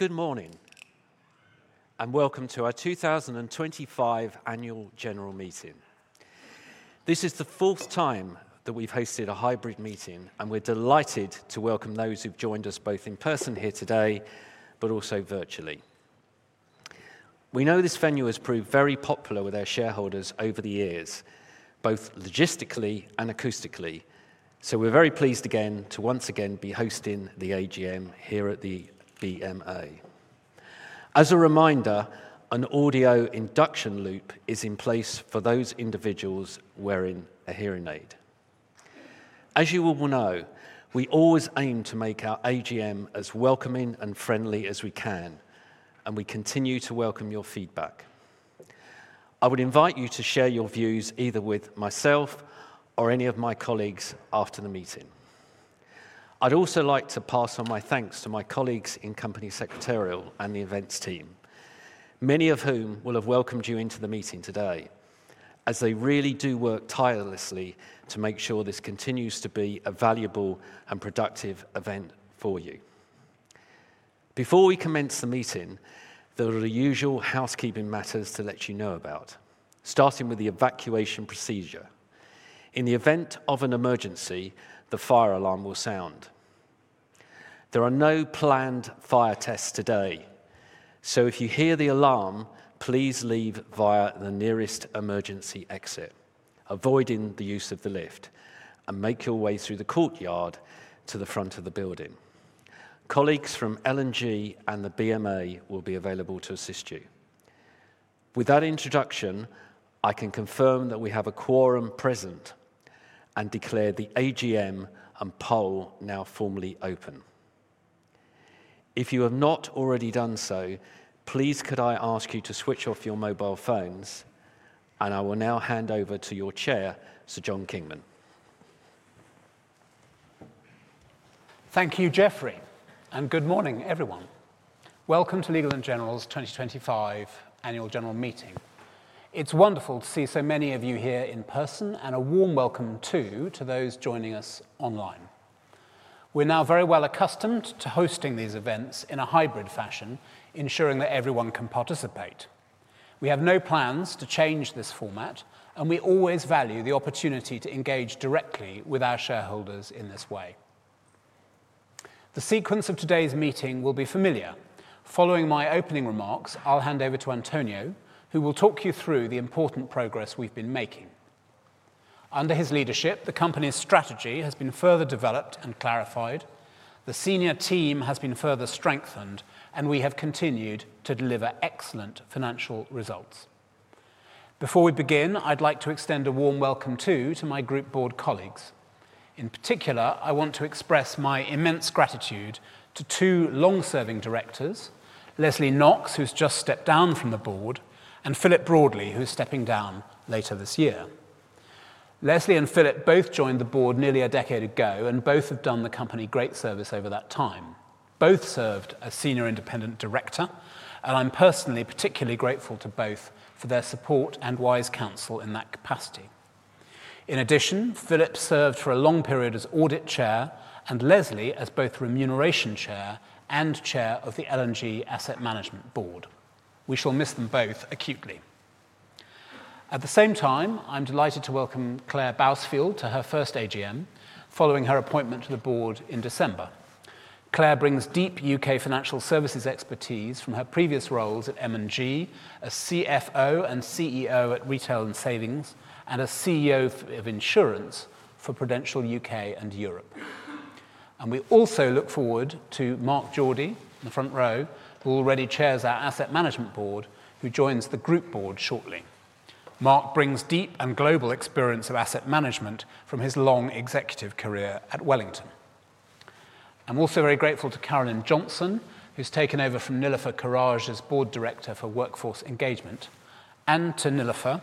Good morning and welcome to our 2025 annual general meeting. This is the fourth time that we've hosted a hybrid meeting, and we're delighted to welcome those who've joined us both in person here today, but also virtually. We know this venue has proved very popular with our shareholders over the years, both logistically and acoustically, so we're very pleased again to once again be hosting the AGM here at the BMA. As a reminder, an audio induction loop is in place for those individuals wearing a hearing aid. As you all know, we always aim to make our AGM as welcoming and friendly as we can, and we continue to welcome your feedback. I would invite you to share your views either with myself or any of my colleagues after the meeting. I'd also like to pass on my thanks to my colleagues in Company Secretarial and the Events Team, many of whom will have welcomed you into the meeting today, as they really do work tirelessly to make sure this continues to be a valuable and productive event for you. Before we commence the meeting, there are the usual housekeeping matters to let you know about, starting with the evacuation procedure. In the event of an emergency, the fire alarm will sound. There are no planned fire tests today, so if you hear the alarm, please leave via the nearest emergency exit, avoiding the use of the lift, and make your way through the courtyard to the front of the building. Colleagues from L&G and the BMA will be available to assist you. With that introduction, I can confirm that we have a quorum present and declare the AGM and poll now formally open. If you have not already done so, please could I ask you to switch off your mobile phones, and I will now hand over to your Chair, Sir John Kingman. Thank you, Geoffrey, and good morning, everyone. Welcome to Legal & General's 2025 Annual General Meeting. It is wonderful to see so many of you here in person, and a warm welcome too to those joining us online. We are now very well accustomed to hosting these events in a hybrid fashion, ensuring that everyone can participate. We have no plans to change this format, and we always value the opportunity to engage directly with our shareholders in this way. The sequence of today's meeting will be familiar. Following my opening remarks, I will hand over to Antonio, who will talk you through the important progress we have been making. Under his leadership, the company's strategy has been further developed and clarified, the senior team has been further strengthened, and we have continued to deliver excellent financial results. Before we begin, I would like to extend a warm welcome too to my group board colleagues. In particular, I want to express my immense gratitude to two long-serving directors, Leslie Knox, who's just stepped down from the board, and Philip Broadley, who's stepping down later this year. Leslie and Philip both joined the board nearly a decade ago and both have done the company great service over that time. Both served as Senior Independent Director, and I'm personally particularly grateful to both for their support and wise counsel in that capacity. In addition, Philip served for a long period as Audit Chair and Leslie as both Remuneration Chair and Chair of the Asset Management Board. We shall miss them both acutely. At the same time, I'm delighted to welcome Claire Boles to her first AGM following her appointment to the board in December. Claire brings deep U.K. financial services expertise from her previous roles at M&G, as CFO and CEO at Retail & Savings, and as CEO of Insurance for Prudential U.K. and Europe. We also look forward to Mark George in the front row, who already chairs our Asset Management Board, who joins the group board shortly. Mark brings deep and global experience of asset management from his long executive career at Wellington. I'm also very grateful to Carolyn Johnson, who's taken over from Nilufer von Haesler as Board Director for Workforce Engagement, and to Nilufer,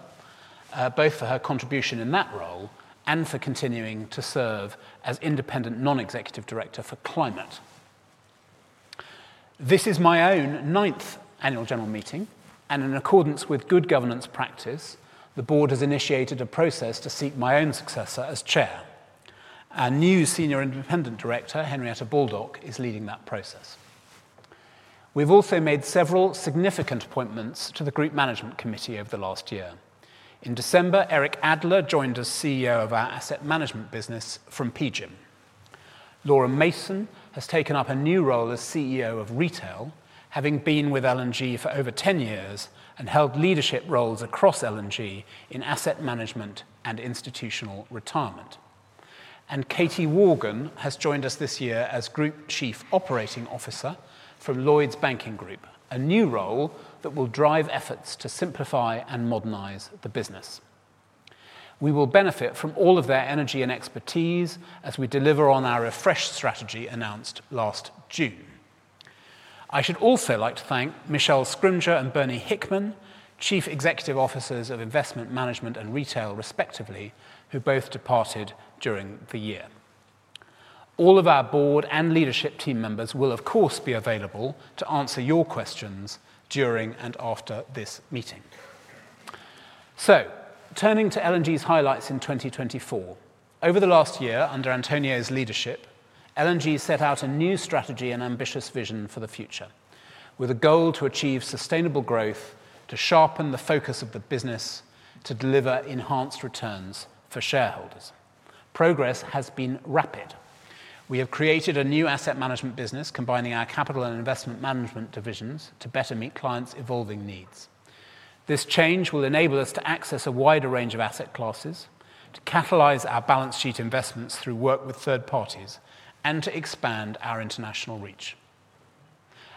both for her contribution in that role and for continuing to serve as Independent Non-Executive Director for Climate. This is my own ninth Annual General Meeting, and in accordance with good governance practice, the board has initiated a process to seek my own successor as Chair. Our new Senior Independent Director, Henrietta Baldock, is leading that process. We have also made several significant appointments to the Group Management Committee over the last year. In December, Eric Adler joined as CEO of our asset management business from PGIM. Laura Mason has taken up a new role as CEO of Retail, having been with Legal & General for over 10 years and held leadership roles across Legal & General in asset management and institutional retirement. Katie Worgan has joined us this year as Group Chief Operating Officer from Lloyds Banking Group, a new role that will drive efforts to simplify and modernize the business. We will benefit from all of their energy and expertise as we deliver on our refreshed strategy announced last June. I should also like to thank Michelle Scrimgeour and Bernie Hickman, Chief Executive Officers of Investment Management and Retail, respectively, who both departed during the year. All of our board and leadership team members will, of course, be available to answer your questions during and after this meeting. Turning to L&G's highlights in 2024, over the last year under Antonio's leadership, L&G set out a new strategy and ambitious vision for the future, with a goal to achieve sustainable growth, to sharpen the focus of the business, to deliver enhanced returns for shareholders. Progress has been rapid. We have created a new asset management business combining our capital and investment management divisions to better meet clients' evolving needs. This change will enable us to access a wider range of asset classes, to catalyze our balance sheet investments through work with third parties, and to expand our international reach.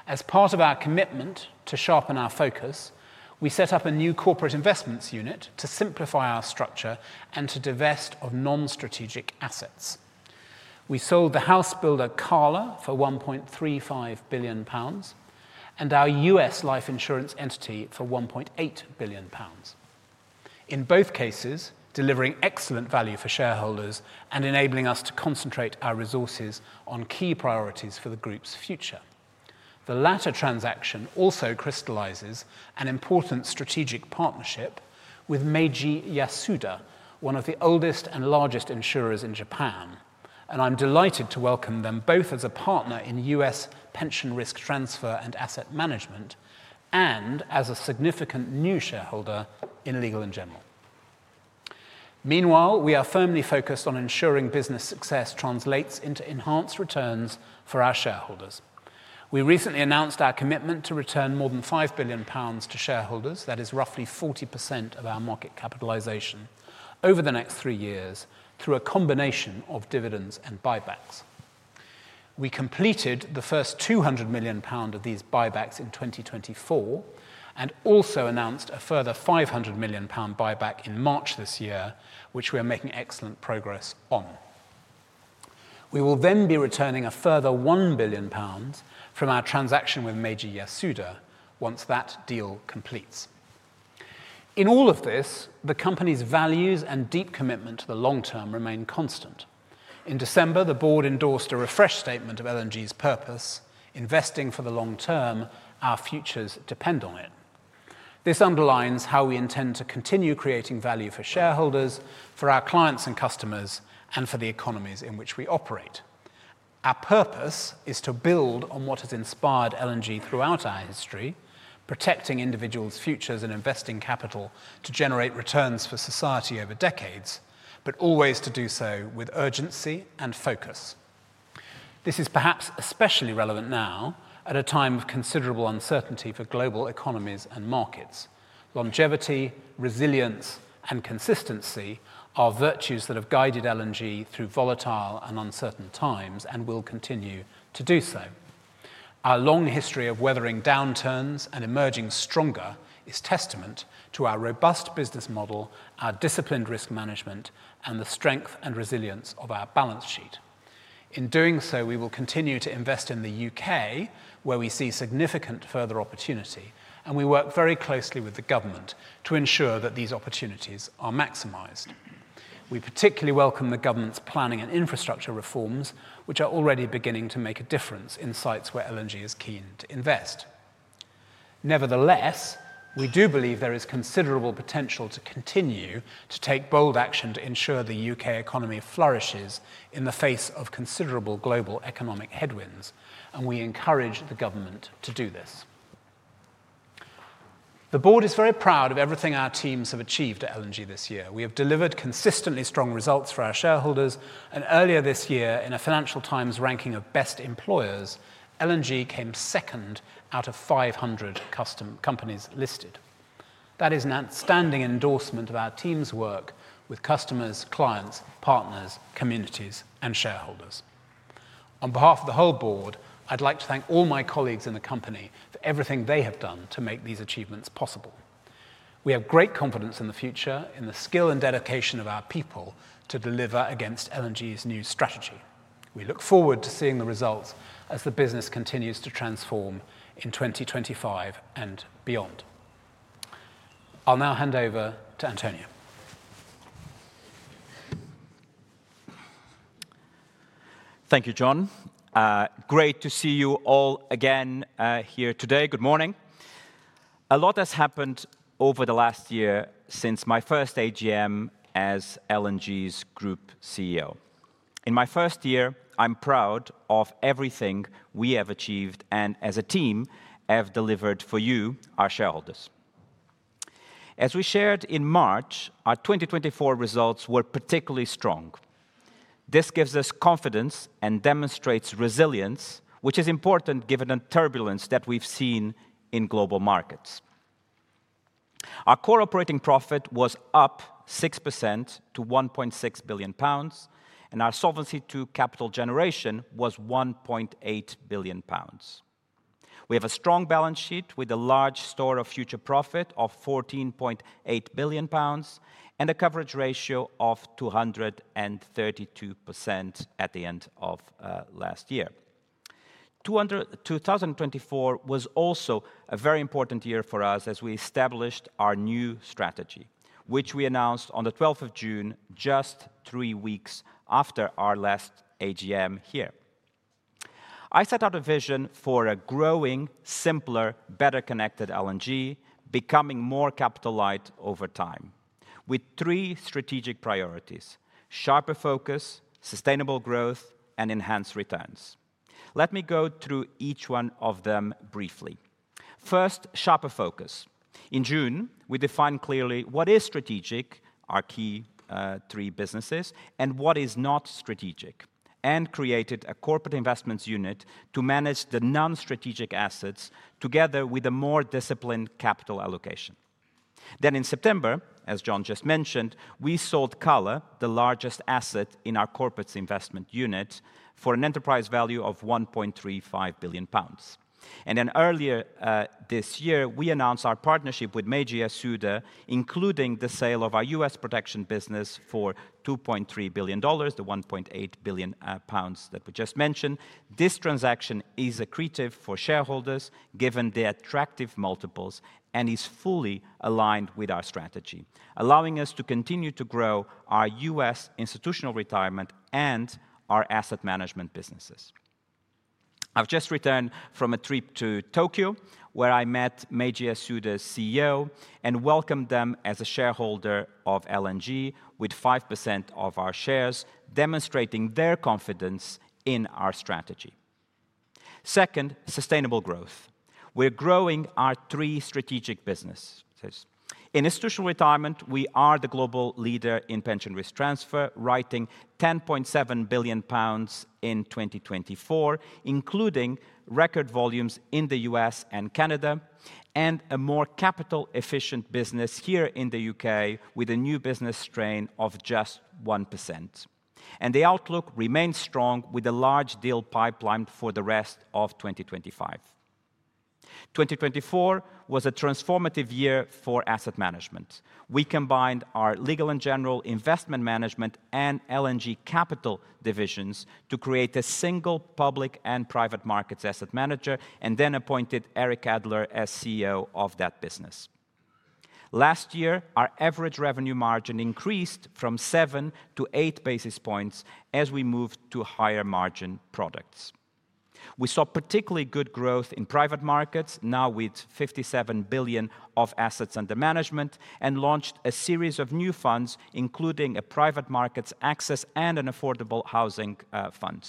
As part of our commitment to sharpen our focus, we set up a new corporate investments unit to simplify our structure and to divest of non-strategic assets. We sold the house builder Cala for 1.35 billion pounds and our US life insurance entity for 1.8 billion pounds. In both cases, delivering excellent value for shareholders and enabling us to concentrate our resources on key priorities for the group's future. The latter transaction also crystalizes an important strategic partnership with Meiji Yasuda, one of the oldest and largest insurers in Japan, and I'm delighted to welcome them both as a partner in U.S. pension risk transfer and asset management and as a significant new shareholder in Legal & General. Meanwhile, we are firmly focused on ensuring business success translates into enhanced returns for our shareholders. We recently announced our commitment to return more than 5 billion pounds to shareholders. That is roughly 40% of our market capitalization over the next three years through a combination of dividends and buybacks. We completed the first 200 million pound of these buybacks in 2024 and also announced a further 500 million pound buyback in March this year, which we are making excellent progress on. We will then be returning a further 1 billion pounds from our transaction with Meiji Yasuda once that deal completes. In all of this, the company's values and deep commitment to the long term remain constant. In December, the board endorsed a refreshed statement of L&G's purpose: "Investing for the long term, our futures depend on it." This underlines how we intend to continue creating value for shareholders, for our clients and customers, and for the economies in which we operate. Our purpose is to build on what has inspired L&G throughout our history, protecting individuals' futures and investing capital to generate returns for society over decades, but always to do so with urgency and focus. This is perhaps especially relevant now at a time of considerable uncertainty for global economies and markets. Longevity, resilience, and consistency are virtues that have guided L&G through volatile and uncertain times and will continue to do so. Our long history of weathering downturns and emerging stronger is testament to our robust business model, our disciplined risk management, and the strength and resilience of our balance sheet. In doing so, we will continue to invest in the U.K., where we see significant further opportunity, and we work very closely with the government to ensure that these opportunities are maximized. We particularly welcome the government's planning and infrastructure reforms, which are already beginning to make a difference in sites where L&G is keen to invest. Nevertheless, we do believe there is considerable potential to continue to take bold action to ensure the U.K. economy flourishes in the face of considerable global economic headwinds, and we encourage the government to do this. The board is very proud of everything our teams have achieved at L&G this year. We have delivered consistently strong results for our shareholders, and earlier this year, in a Financial Times ranking of best employers, L&G came second out of 500 companies listed. That is an outstanding endorsement of our team's work with customers, clients, partners, communities, and shareholders. On behalf of the whole board, I'd like to thank all my colleagues in the company for everything they have done to make these achievements possible. We have great confidence in the future in the skill and dedication of our people to deliver against L&G's new strategy. We look forward to seeing the results as the business continues to transform in 2025 and beyond. I'll now hand over to Antonio. Thank you, John. Great to see you all again here today. Good morning. A lot has happened over the last year since my first AGM as L&G's Group CEO. In my first year, I'm proud of everything we have achieved and, as a team, have delivered for you, our shareholders. As we shared in March, our 2024 results were particularly strong. This gives us confidence and demonstrates resilience, which is important given the turbulence that we've seen in global markets. Our core operating profit was up 6% to 1.6 billion pounds, and our Solvency II capital generation was 1.8 billion pounds. We have a strong balance sheet with a large store of future profit of 14.8 billion pounds and a coverage ratio of 232% at the end of last year. 2024 was also a very important year for us as we established our new strategy, which we announced on the 12th of June, just three weeks after our last AGM here. I set out a vision for a growing, simpler, better connected L&G, becoming more capital-light over time, with three strategic priorities: sharper focus, sustainable growth, and enhanced returns. Let me go through each one of them briefly. First, sharper focus. In June, we defined clearly what is strategic, our key three businesses, and what is not strategic, and created a corporate investments unit to manage the non-strategic assets together with a more disciplined capital allocation. In September, as John just mentioned, we sold Cala, the largest asset in our corporate investment unit, for an enterprise value of 1.35 billion pounds. Earlier this year, we announced our partnership with Meiji Yasuda, including the sale of our U.S. production business for $2.3 billion, the 1.8 billion pounds that we just mentioned. This transaction is accretive for shareholders, given the attractive multiples, and is fully aligned with our strategy, allowing us to continue to grow our U.S. institutional retirement and our asset management businesses. I have just returned from a trip to Tokyo, where I met Meiji Yasuda's CEO and welcomed them as a shareholder of L&G with 5% of our shares, demonstrating their confidence in our strategy. Second, sustainable growth. We are growing our three strategic businesses. In institutional retirement, we are the global leader in pension risk transfer, writing 10.7 billion pounds in 2024, including record volumes in the U.S. and Canada, and a more capital-efficient business here in the U.K. with a new business strain of just 1%. The outlook remains strong with a large deal pipeline for the rest of 2025. 2024 was a transformative year for asset management. We combined our Legal & General Investment Management and L&G Capital divisions to create a single public and private markets asset manager and then appointed Eric Adler as CEO of that business. Last year, our average revenue margin increased from seven to eight basis points as we moved to higher margin products. We saw particularly good growth in private markets, now with 57 billion of assets under management, and launched a series of new funds, including a private markets access and an affordable housing fund.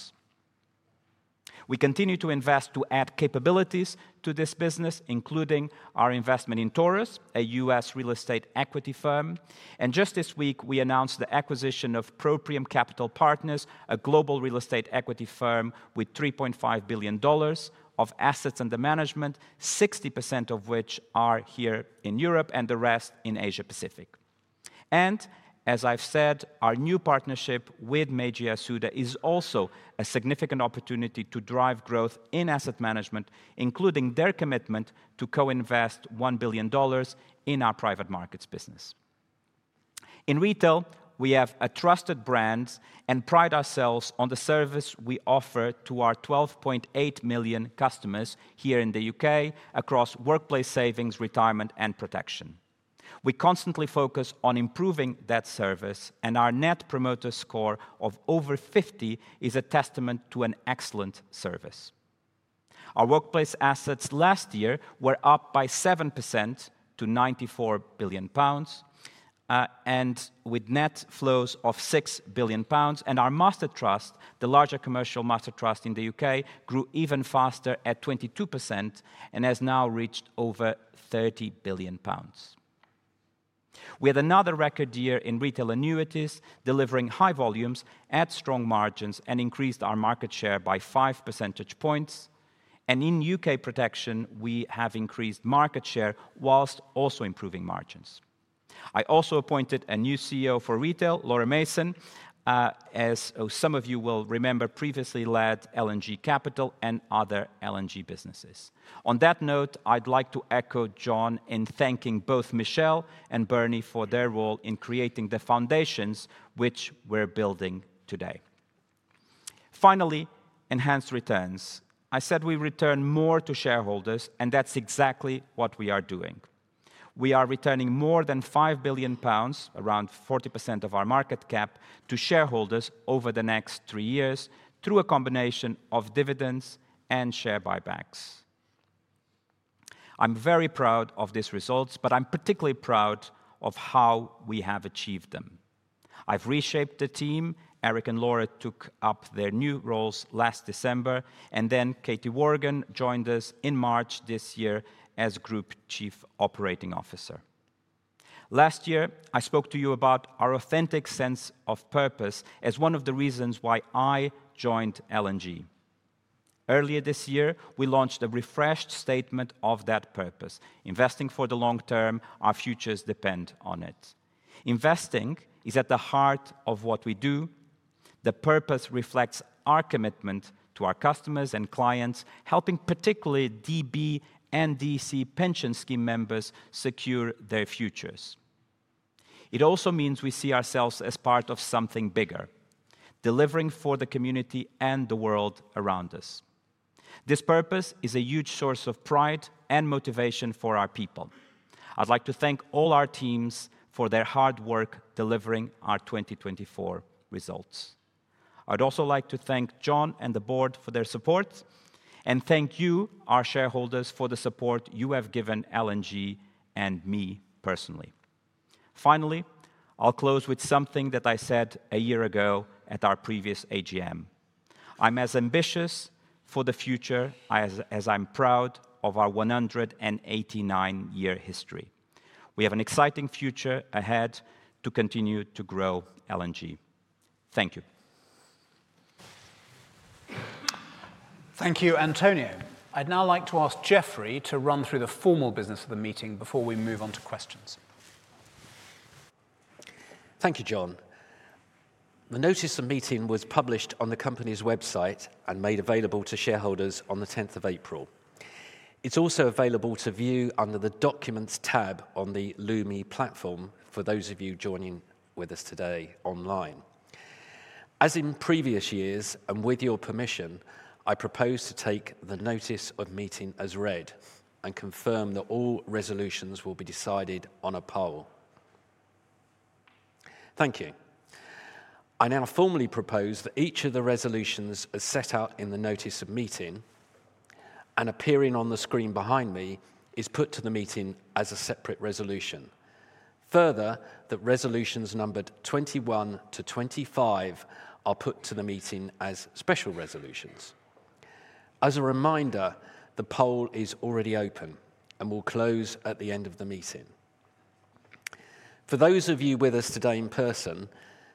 We continue to invest to add capabilities to this business, including our investment in Taurus, a U.S. real estate equity firm. Just this week, we announced the acquisition of Proprium Capital Partners, a global real estate equity firm with $3.5 billion of assets under management, 60% of which are here in Europe and the rest in Asia-Pacific. As I have said, our new partnership with Meiji Yasuda is also a significant opportunity to drive growth in asset management, including their commitment to co-invest $1 billion in our private markets business. In retail, we have a trusted brand and pride ourselves on the service we offer to our 12.8 million customers here in the U.K. across workplace savings, retirement, and protection. We constantly focus on improving that service, and our net promoter score of over 50 is a testament to an excellent service. Our workplace assets last year were up by 7% to 94 billion pounds, and with net flows of 6 billion pounds, and our Master Trust, the larger commercial Master Trust in the U.K., grew even faster at 22% and has now reached over 30 billion pounds. We had another record year in retail annuities, delivering high volumes, added strong margins, and increased our market share by five percentage points. In U.K. protection, we have increased market share whilst also improving margins. I also appointed a new CEO for Retail, Laura Mason, as some of you will remember, previously led L&G Capital and other L&G businesses. On that note, I'd like to echo John in thanking both Michelle and Bernie for their role in creating the foundations which we're building today. Finally, enhanced returns. I said we return more to shareholders, and that's exactly what we are doing. We are returning more than 5 billion pounds, around 40% of our market cap, to shareholders over the next three years through a combination of dividends and share buybacks. I'm very proud of these results, but I'm particularly proud of how we have achieved them. I've reshaped the team. Eric and Laura took up their new roles last December, and then Katie Worgan joined us in March this year as Group Chief Operating Officer. Last year, I spoke to you about our authentic sense of purpose as one of the reasons why I joined L&G. Earlier this year, we launched a refreshed statement of that purpose: "Investing for the long term, our futures depend on it." Investing is at the heart of what we do. The purpose reflects our commitment to our customers and clients, helping particularly DB and DC pension scheme members secure their futures. It also means we see ourselves as part of something bigger, delivering for the community and the world around us. This purpose is a huge source of pride and motivation for our people. I'd like to thank all our teams for their hard work delivering our 2024 results. I'd also like to thank John and the board for their support, and thank you, our shareholders, for the support you have given L&G and me personally. Finally, I'll close with something that I said a year ago at our previous AGM. I'm as ambitious for the future as I'm proud of our 189-year history. We have an exciting future ahead to continue to grow L&G. Thank you. Thank you, Antonio. I'd now like to ask Geoffrey to run through the formal business of the meeting before we move on to questions. Thank you, John. The notice of meeting was published on the company's website and made available to shareholders on the 10th of April. It is also available to view under the Documents tab on the Lumi platform for those of you joining with us today online. As in previous years, and with your permission, I propose to take the notice of meeting as read and confirm that all resolutions will be decided on a poll. Thank you. I now formally propose that each of the resolutions as set out in the notice of meeting and appearing on the screen behind me is put to the meeting as a separate resolution. Further, the resolutions numbered 21-25 are put to the meeting as special resolutions. As a reminder, the poll is already open and will close at the end of the meeting. For those of you with us today in person,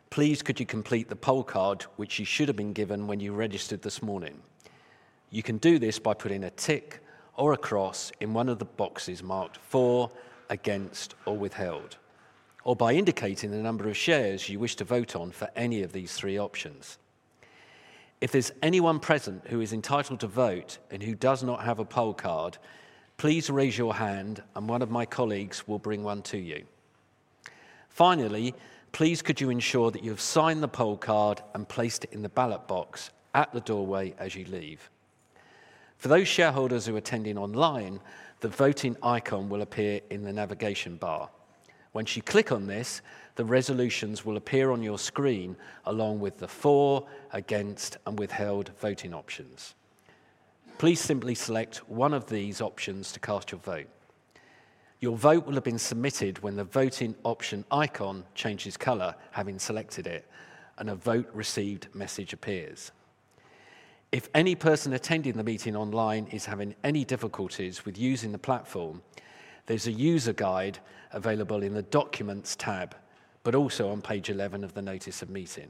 please could you complete the poll card, which you should have been given when you registered this morning. You can do this by putting a tick or a cross in one of the boxes marked for, against, or withheld, or by indicating the number of shares you wish to vote on for any of these three options. If there is anyone present who is entitled to vote and who does not have a poll card, please raise your hand and one of my colleagues will bring one to you. Finally, please could you ensure that you have signed the poll card and placed it in the ballot box at the doorway as you leave. For those shareholders who are attending online, the voting icon will appear in the navigation bar. Once you click on this, the resolutions will appear on your screen along with the for, against, and withheld voting options. Please simply select one of these options to cast your vote. Your vote will have been submitted when the voting option icon changes color, having selected it, and a vote received message appears. If any person attending the meeting online is having any difficulties with using the platform, there is a user guide available in the Documents tab, but also on page 11 of the notice of meeting.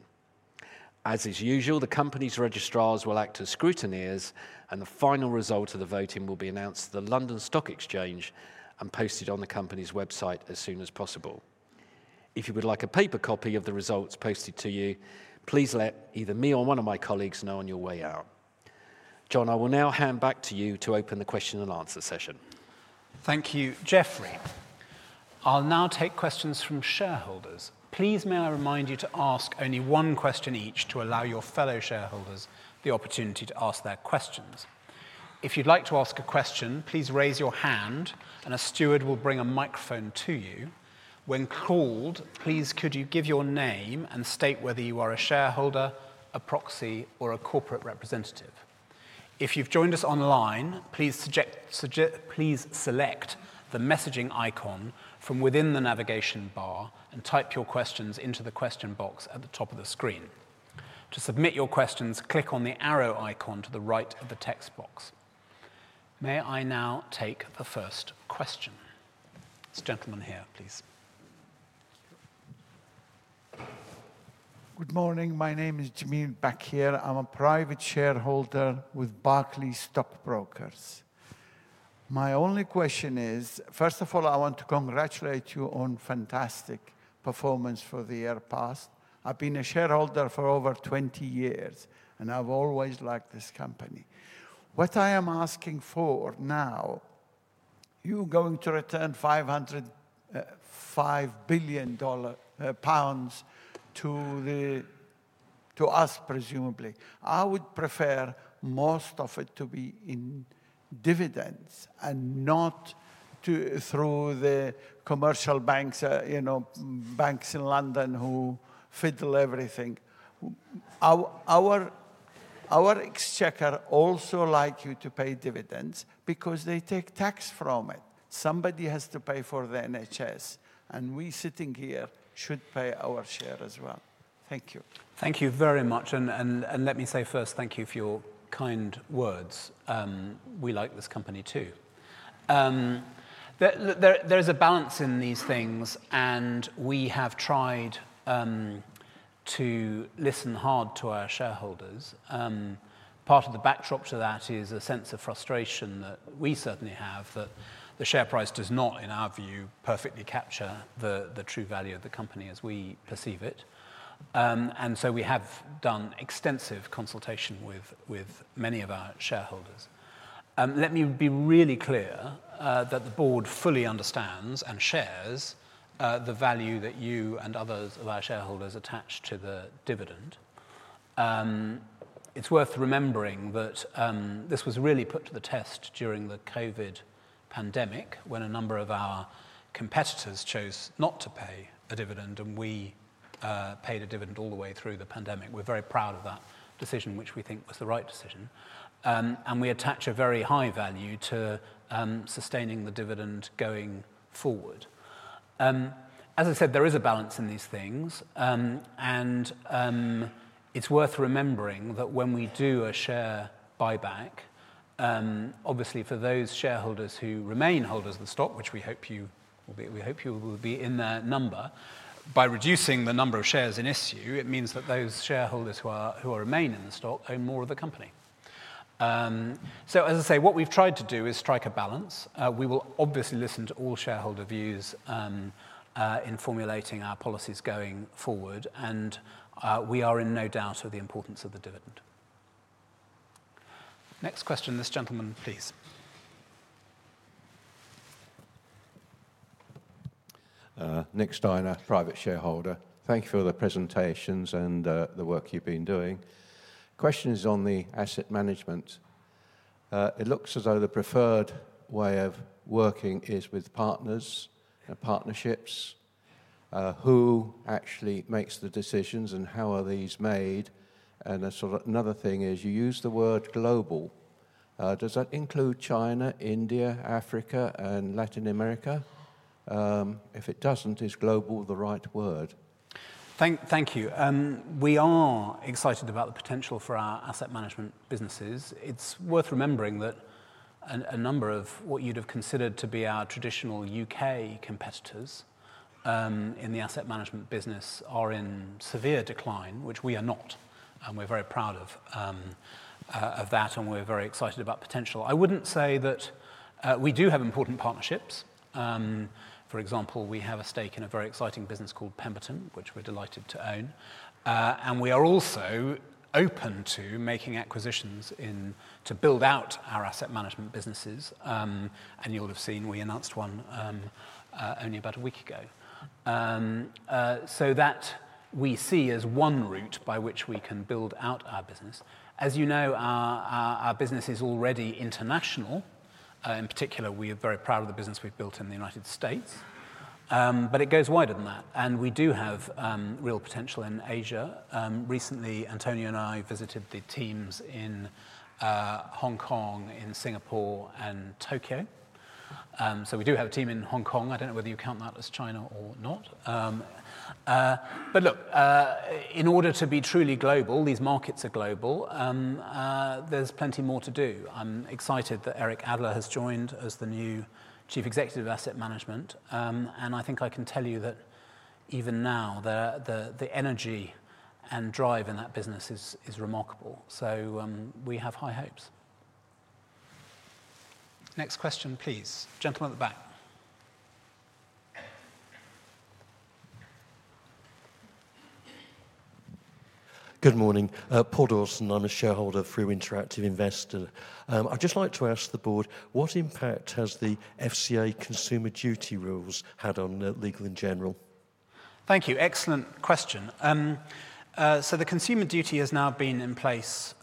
As is usual, the company's registrars will act as scrutineers, and the final result of the voting will be announced to the London Stock Exchange and posted on the company's website as soon as possible. If you would like a paper copy of the results posted to you, please let either me or one of my colleagues know on your way out. John, I will now hand back to you to open the question and answer session. Thank you, Geoffrey. I'll now take questions from shareholders. Please may I remind you to ask only one question each to allow your fellow shareholders the opportunity to ask their questions. If you'd like to ask a question, please raise your hand and a steward will bring a microphone to you. When called, please could you give your name and state whether you are a shareholder, a proxy, or a corporate representative. If you've joined us online, please select the messaging icon from within the navigation bar and type your questions into the question box at the top of the screen. To submit your questions, click on the arrow icon to the right of the text box. May I now take the first question? This gentleman here, please. Good morning. My name is Jamim Bakir. I'm a private shareholder with Barclays Stockbrokers. My only question is, first of all, I want to congratulate you on fantastic performance for the year past. I've been a shareholder for over 20 years and I've always liked this company. What I am asking for now, you're going to return GBP 5 billion to us, presumably. I would prefer most of it to be in dividends and not through the commercial banks in London who fiddle everything. Our exchequer also likes you to pay dividends because they take tax from it. Somebody has to pay for the NHS, and we sitting here should pay our share as well. Thank you. Thank you very much. Let me say first, thank you for your kind words. We like this company too. There is a balance in these things, and we have tried to listen hard to our shareholders. Part of the backdrop to that is a sense of frustration that we certainly have that the share price does not, in our view, perfectly capture the true value of the company as we perceive it. We have done extensive consultation with many of our shareholders. Let me be really clear that the board fully understands and shares the value that you and others of our shareholders attach to the dividend. It is worth remembering that this was really put to the test during the COVID pandemic when a number of our competitors chose not to pay a dividend, and we paid a dividend all the way through the pandemic. We're very proud of that decision, which we think was the right decision. We attach a very high value to sustaining the dividend going forward. As I said, there is a balance in these things, and it's worth remembering that when we do a share buyback, obviously for those shareholders who remain holders of the stock, which we hope you will be in that number, by reducing the number of shares in issue, it means that those shareholders who remain in the stock own more of the company. As I say, what we've tried to do is strike a balance. We will obviously listen to all shareholder views in formulating our policies going forward, and we are in no doubt of the importance of the dividend. Next question, this gentleman, please. Thank you for the presentations and the work you've been doing. Question is on the asset management. It looks as though the preferred way of working is with partners and partnerships. Who actually makes the decisions and how are these made? Another thing is you use the word global. Does that include China, India, Africa, and Latin America? If it doesn't, is global the right word? Thank you. We are excited about the potential for our asset management businesses. It's worth remembering that a number of what you'd have considered to be our traditional U.K. competitors in the asset management business are in severe decline, which we are not, and we're very proud of that, and we're very excited about potential. I wouldn't say that we do have important partnerships. For example, we have a stake in a very exciting business called Pemberton, which we're delighted to own. We are also open to making acquisitions to build out our asset management businesses. You'll have seen we announced one only about a week ago. That we see as one route by which we can build out our business. As you know, our business is already international. In particular, we are very proud of the business we have built in the United States, but it goes wider than that. We do have real potential in Asia. Recently, Antonio and I visited the teams in Hong Kong, in Singapore, and Tokyo. We do have a team in Hong Kong. I do not know whether you count that as China or not. Look, in order to be truly global, these markets are global. There is plenty more to do. I am excited that Eric Adler has joined as the new Chief Executive of Asset Management. I think I can tell you that even now, the energy and drive in that business is remarkable. We have high hopes. Next question, please. Gentleman at the back. Good morning. Paul Dawson, I'm a shareholder through Interactive Investor. I'd just like to ask the board, what impact has the FCA consumer duty rules had on Legal & General? Thank you. Excellent question. The consumer duty has now been in place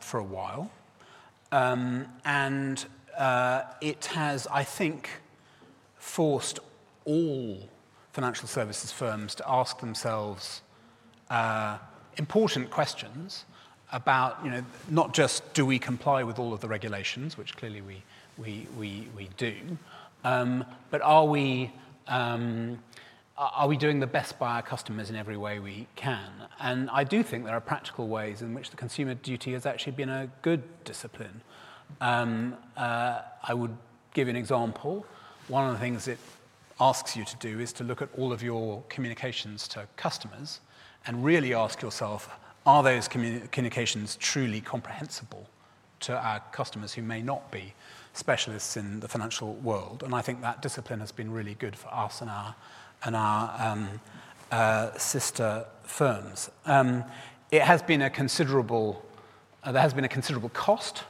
for a while, and it has, I think, forced all financial services firms to ask themselves important questions about not just do we comply with all of the regulations, which clearly we do, but are we doing the best by our customers in every way we can? I do think there are practical ways in which the consumer duty has actually been a good discipline. I would give you an example. One of the things it asks you to do is to look at all of your communications to customers and really ask yourself, are those communications truly comprehensible to our customers who may not be specialists in the financial world? I think that discipline has been really good for us and our sister firms. It has been a considerable cost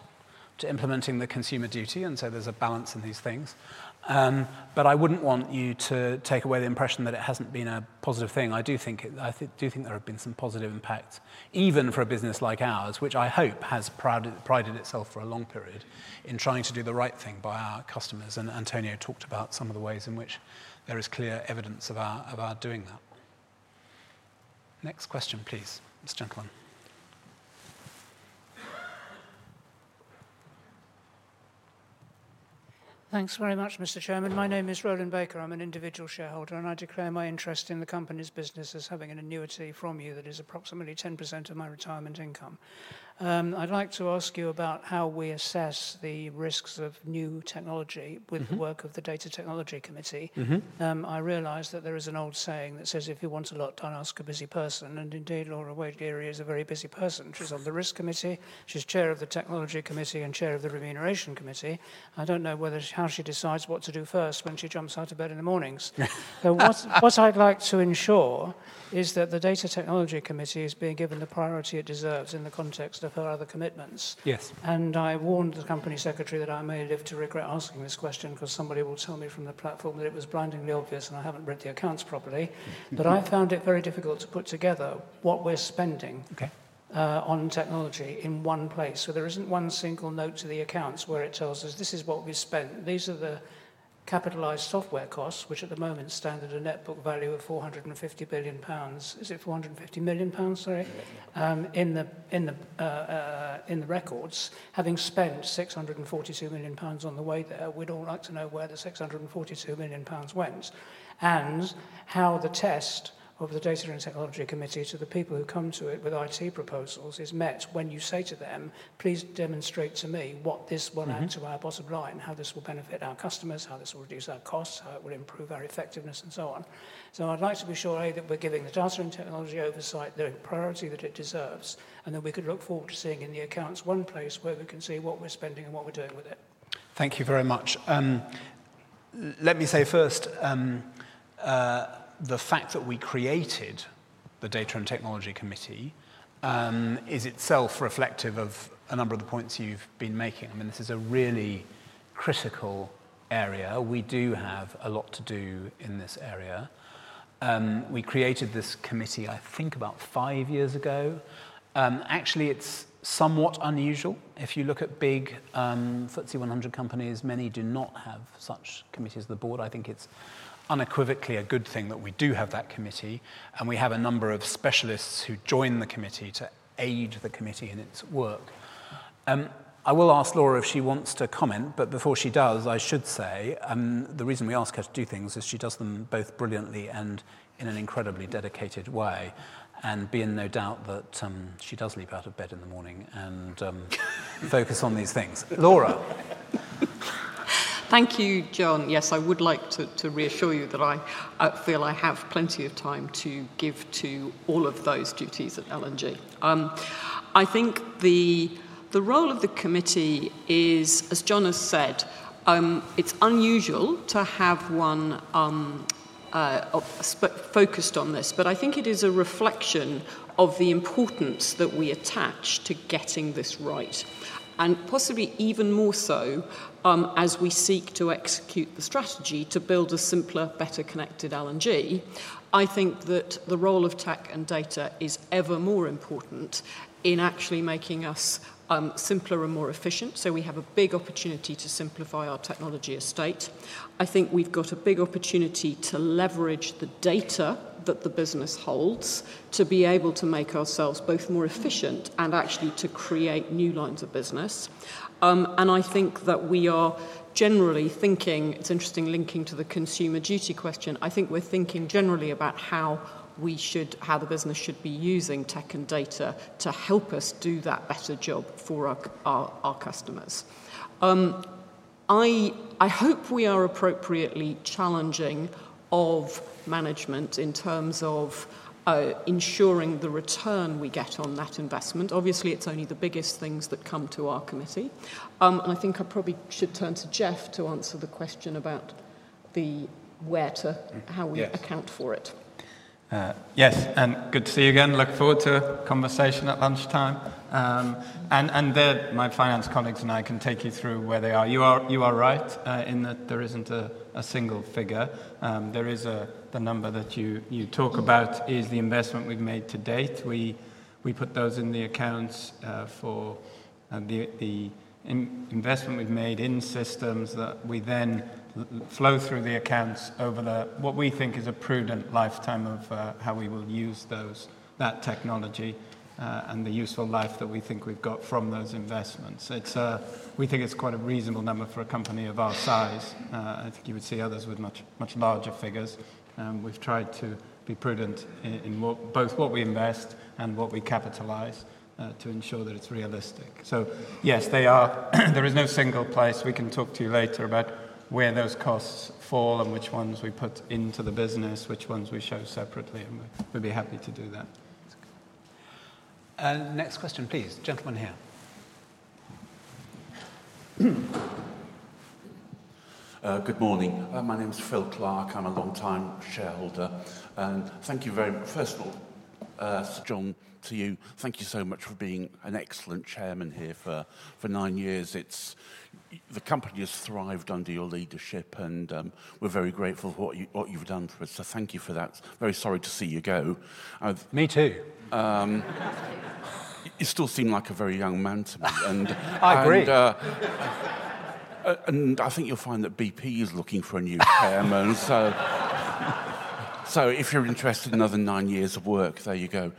to implementing the consumer duty, and so there is a balance in these things. I would not want you to take away the impression that it has not been a positive thing. I do think there have been some positive impacts, even for a business like ours, which I hope has prided itself for a long period in trying to do the right thing by our customers. Antonio talked about some of the ways in which there is clear evidence of our doing that. Next question, please, this gentleman. Thanks very much, Mr. Chairman. My name is Roland Baker. I'm an individual shareholder, and I declare my interest in the company's business as having an annuity from you that is approximately 10% of my retirement income. I'd like to ask you about how we assess the risks of new technology with the work of the Data Technology Committee. I realize that there is an old saying that says, if you want a lot, don't ask a busy person. Indeed, Laura Wade-Gery is a very busy person. She's on the Risk Committee. She's chair of the Technology Committee and chair of the Remuneration Committee. I don't know how she decides what to do first when she jumps out of bed in the mornings. What I'd like to ensure is that the Data Technology Committee is being given the priority it deserves in the context of her other commitments. I warned the company secretary that I may live to regret asking this question because somebody will tell me from the platform that it was blindingly obvious and I have not read the accounts properly. I found it very difficult to put together what we are spending on technology in one place. There is not one single note to the accounts where it tells us this is what we spent. These are the capitalized software costs, which at the moment stand at a net book value of 450 billion pounds. Is it 450 million pounds, sorry? In the records, having spent 642 million pounds on the way there, we'd all like to know where the 642 million pounds went and how the test of the Data and Technology Committee to the people who come to it with IT proposals is met when you say to them, please demonstrate to me what this will add to our bottom line, how this will benefit our customers, how this will reduce our costs, how it will improve our effectiveness, and so on. I would like to be sure that we're giving the data and technology oversight the priority that it deserves, and then we could look forward to seeing in the accounts one place where we can see what we're spending and what we're doing with it. Thank you very much. Let me say first, the fact that we created the Data and Technology Committee is itself reflective of a number of the points you've been making. I mean, this is a really critical area. We do have a lot to do in this area. We created this committee, I think, about five years ago. Actually, it's somewhat unusual. If you look at big FTSE 100 companies, many do not have such committees as the board. I think it's unequivocally a good thing that we do have that committee, and we have a number of specialists who join the committee to aid the committee in its work. I will ask Laura if she wants to comment, but before she does, I should say the reason we ask her to do things is she does them both brilliantly and in an incredibly dedicated way. Be in no doubt that she does leap out of bed in the morning and focus on these things. Laura. Thank you, John. Yes, I would like to reassure you that I feel I have plenty of time to give to all of those duties at L&G. I think the role of the committee is, as John has said, it's unusual to have one focused on this, but I think it is a reflection of the importance that we attach to getting this right. Possibly even more so as we seek to execute the strategy to build a simpler, better connected L&G. I think that the role of tech and data is ever more important in actually making us simpler and more efficient. We have a big opportunity to simplify our technology estate. I think we've got a big opportunity to leverage the data that the business holds to be able to make ourselves both more efficient and actually to create new lines of business. I think that we are generally thinking, it's interesting linking to the consumer duty question, I think we're thinking generally about how the business should be using tech and data to help us do that better job for our customers. I hope we are appropriately challenging of management in terms of ensuring the return we get on that investment. Obviously, it's only the biggest things that come to our committee. I think I probably should turn to Jeff to answer the question about the where to, how we account for it. Yes. Good to see you again. I look forward to a conversation at lunchtime. My finance colleagues and I can take you through where they are. You are right in that there is not a single figure. The number that you talk about is the investment we have made to date. We put those in the accounts for the investment we have made in systems that we then flow through the accounts over what we think is a prudent lifetime of how we will use that technology and the useful life that we think we have got from those investments. We think it is quite a reasonable number for a company of our size. I think you would see others with much larger figures. We have tried to be prudent in both what we invest and what we capitalize to ensure that it is realistic. Yes, there is no single place. We can talk to you later about where those costs fall and which ones we put into the business, which ones we show separately, and we'd be happy to do that. Next question, please. Gentleman here. Good morning. My name is Phil Clark. I'm a longtime shareholder. Thank you very much. First of all, John, to you. Thank you so much for being an excellent chairman here for nine years. The company has thrived under your leadership, and we're very grateful for what you've done for us. Thank you for that. Very sorry to see you go. Me too. You still seem like a very young man to me. I agree. I think you'll find that BP is looking for a new chairman. If you're interested in another nine years of work, there you go.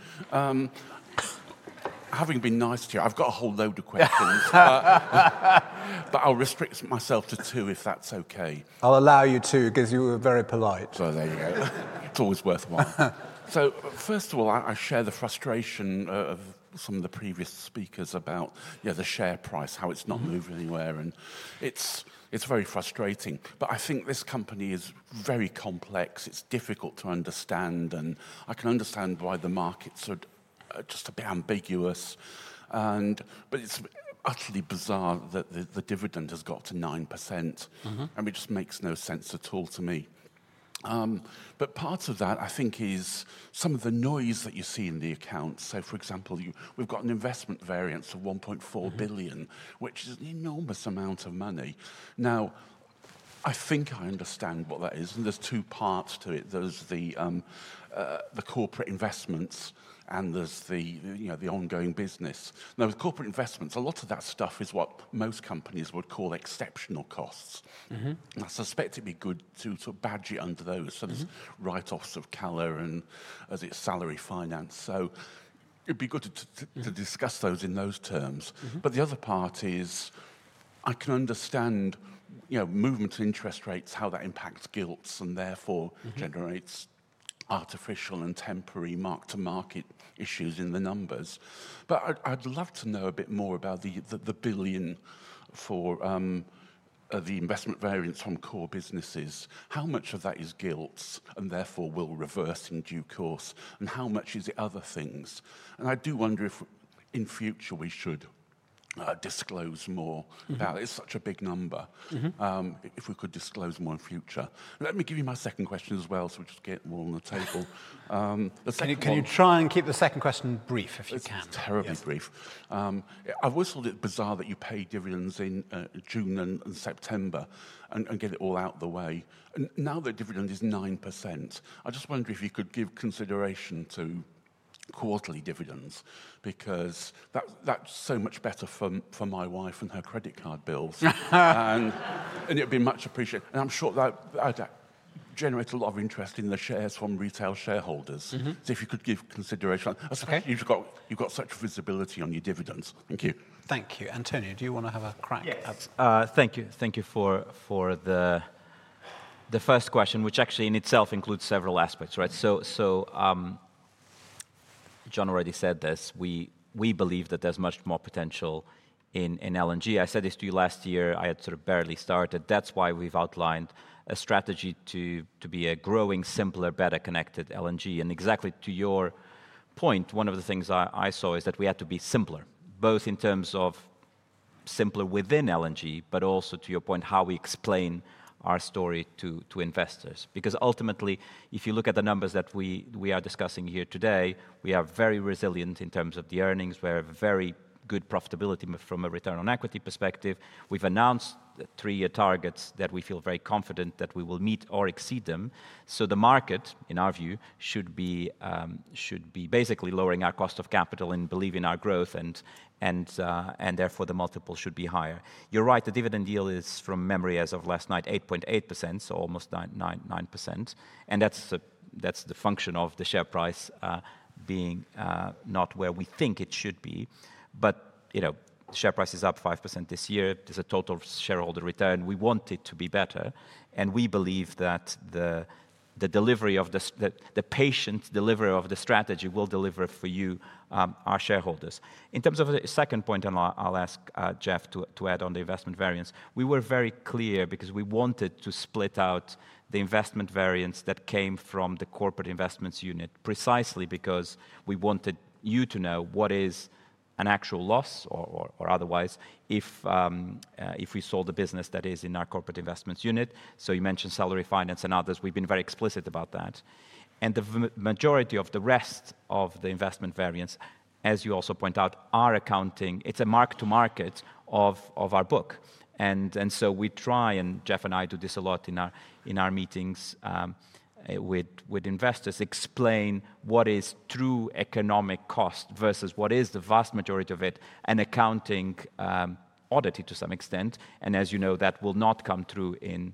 Having been nice to you, I've got a whole load of questions, but I'll restrict myself to two if that's okay. I'll allow you two. It gives you a very polite. There you go. It's always worthwhile. First of all, I share the frustration of some of the previous speakers about the share price, how it's not moving anywhere. It's very frustrating. I think this company is very complex. It's difficult to understand, and I can understand why the markets are just a bit ambiguous. It's utterly bizarre that the dividend has got to 9%, and it just makes no sense at all to me. Part of that, I think, is some of the noise that you see in the accounts. For example, we've got an investment variance of 1.4 billion, which is an enormous amount of money. I think I understand what that is. There are two parts to it. There's the corporate investments, and there's the ongoing business. Now, with corporate investments, a lot of that stuff is what most companies would call exceptional costs. I suspect it'd be good to sort of badge you under those. There are write-offs of Cala and, as it is, Salary Finance. It'd be good to discuss those in those terms. The other part is I can understand movement of interest rates, how that impacts gilts, and therefore generates artificial and temporary mark-to-market issues in the numbers. I'd love to know a bit more about the billion for the investment variance on core businesses. How much of that is gilts and therefore will reverse in due course, and how much is it other things? I do wonder if in future we should disclose more about it. It's such a big number if we could disclose more in future. Let me give you my second question as well so we just get more on the table. Can you try and keep the second question brief if you can? It's terribly brief. I've always thought it bizarre that you pay dividends in June and September and get it all out of the way. Now the dividend is 9%. I just wonder if you could give consideration to quarterly dividends because that's so much better for my wife and her credit card bills. It would be much appreciated. I'm sure that generates a lot of interest in the shares from retail shareholders. If you could give consideration. You've got such visibility on your dividends. Thank you. Thank you. Antonio, do you want to have a crack at? Thank you. Thank you for the first question, which actually in itself includes several aspects. John already said this. We believe that there is much more potential in L&G. I said this to you last year. I had sort of barely started. That is why we have outlined a strategy to be a growing, simpler, better connected L&G. Exactly to your point, one of the things I saw is that we had to be simpler, both in terms of simpler within L&G, but also to your point, how we explain our story to investors. Ultimately, if you look at the numbers that we are discussing here today, we are very resilient in terms of the earnings. We have very good profitability from a return on equity perspective. We have announced three-year targets that we feel very confident that we will meet or exceed them. The market, in our view, should be basically lowering our cost of capital and believing in our growth, and therefore the multiple should be higher. You're right. The dividend yield is, from memory as of last night, 8.8%, so almost 9%. That is the function of the share price being not where we think it should be. The share price is up 5% this year. There is a total shareholder return. We want it to be better. We believe that the patient delivery of the strategy will deliver for you, our shareholders. In terms of the second point, and I'll ask Jeff to add on the investment variance, we were very clear because we wanted to split out the investment variance that came from the corporate investments unit precisely because we wanted you to know what is an actual loss or otherwise if we sold the business that is in our corporate investments unit. You mentioned Salary Finance and others. We've been very explicit about that. The majority of the rest of the investment variance, as you also point out, is a mark-to-market of our book. We try, and Jeff and I do this a lot in our meetings with investors, to explain what is true economic cost versus what is the vast majority of it and accounting audit to some extent. As you know, that will not come through in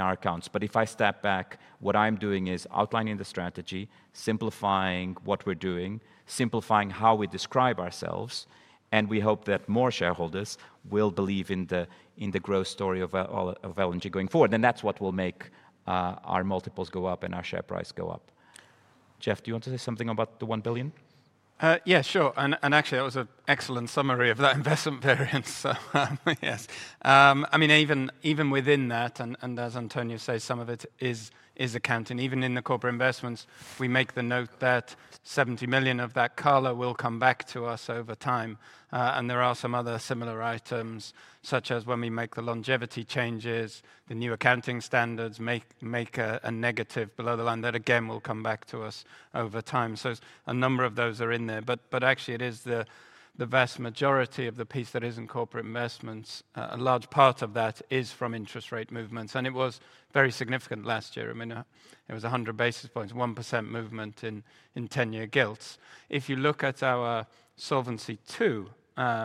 our accounts. If I step back, what I'm doing is outlining the strategy, simplifying what we're doing, simplifying how we describe ourselves. We hope that more shareholders will believe in the growth story of L&G going forward. That's what will make our multiples go up and our share price go up. Jeff, do you want to say something about the $1 billion? Yeah, sure. Actually, that was an excellent summary of that investment variance. Yes. I mean, even within that, and as Antonio says, some of it is accounting. Even in the corporate investments, we make the note that $70 million of that color will come back to us over time. There are some other similar items, such as when we make the longevity changes, the new accounting standards make a negative below the line that again will come back to us over time. A number of those are in there. Actually, it is the vast majority of the piece that is in corporate investments. A large part of that is from interest rate movements. It was very significant last year. I mean, it was 100 basis points, 1% movement in 10-year gilts. If you look at our Solvency II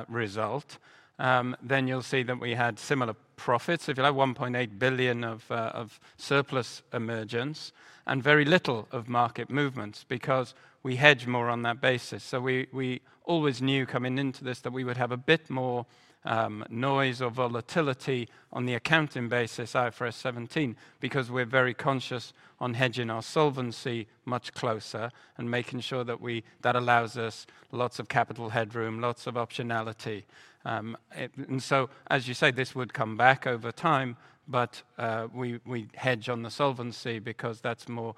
result, then you'll see that we had similar profits. If you have 1.8 billion of surplus emergence and very little of market movements because we hedge more on that basis. We always knew coming into this that we would have a bit more noise or volatility on the accounting basis for S17 because we're very conscious on hedging our solvency much closer and making sure that allows us lots of capital headroom, lots of optionality. As you say, this would come back over time, but we hedge on the solvency because that is more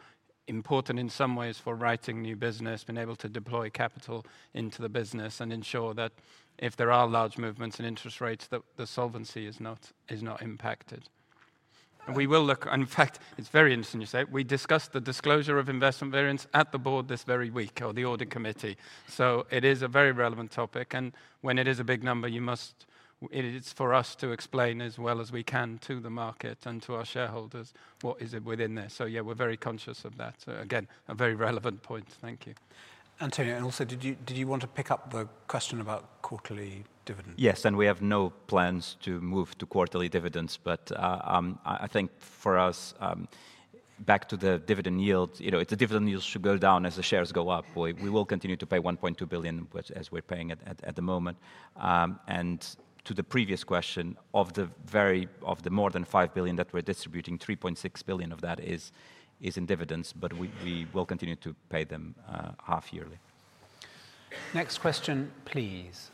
important in some ways for writing new business, being able to deploy capital into the business and ensure that if there are large movements in interest rates, the solvency is not impacted. We will look, in fact, it is very interesting you say. We discussed the disclosure of investment variance at the board this very week or the audit committee. It is a very relevant topic. When it is a big number, it is for us to explain as well as we can to the market and to our shareholders what is it within there. Yeah, we are very conscious of that. Again, a very relevant point. Thank you. Antonio, and also, did you want to pick up the question about quarterly dividends? Yes. We have no plans to move to quarterly dividends. I think for us, back to the dividend yield, the dividend yield should go down as the shares go up. We will continue to pay 1.2 billion as we're paying at the moment. To the previous question, of the more than 5 billion that we're distributing, 3.6 billion of that is in dividends, but we will continue to pay them half yearly. Next question, please.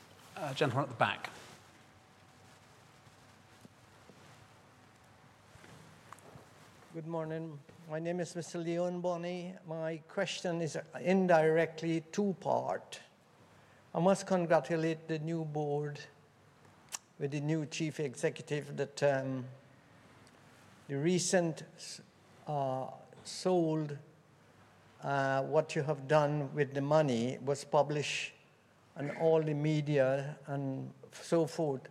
Gentleman at the back. Good morning. My name is Mr. Leon Boni. My question is indirectly two-part. I must congratulate the new board with the new Chief Executive that the recent sold what you have done with the money was published in all the media and so forth.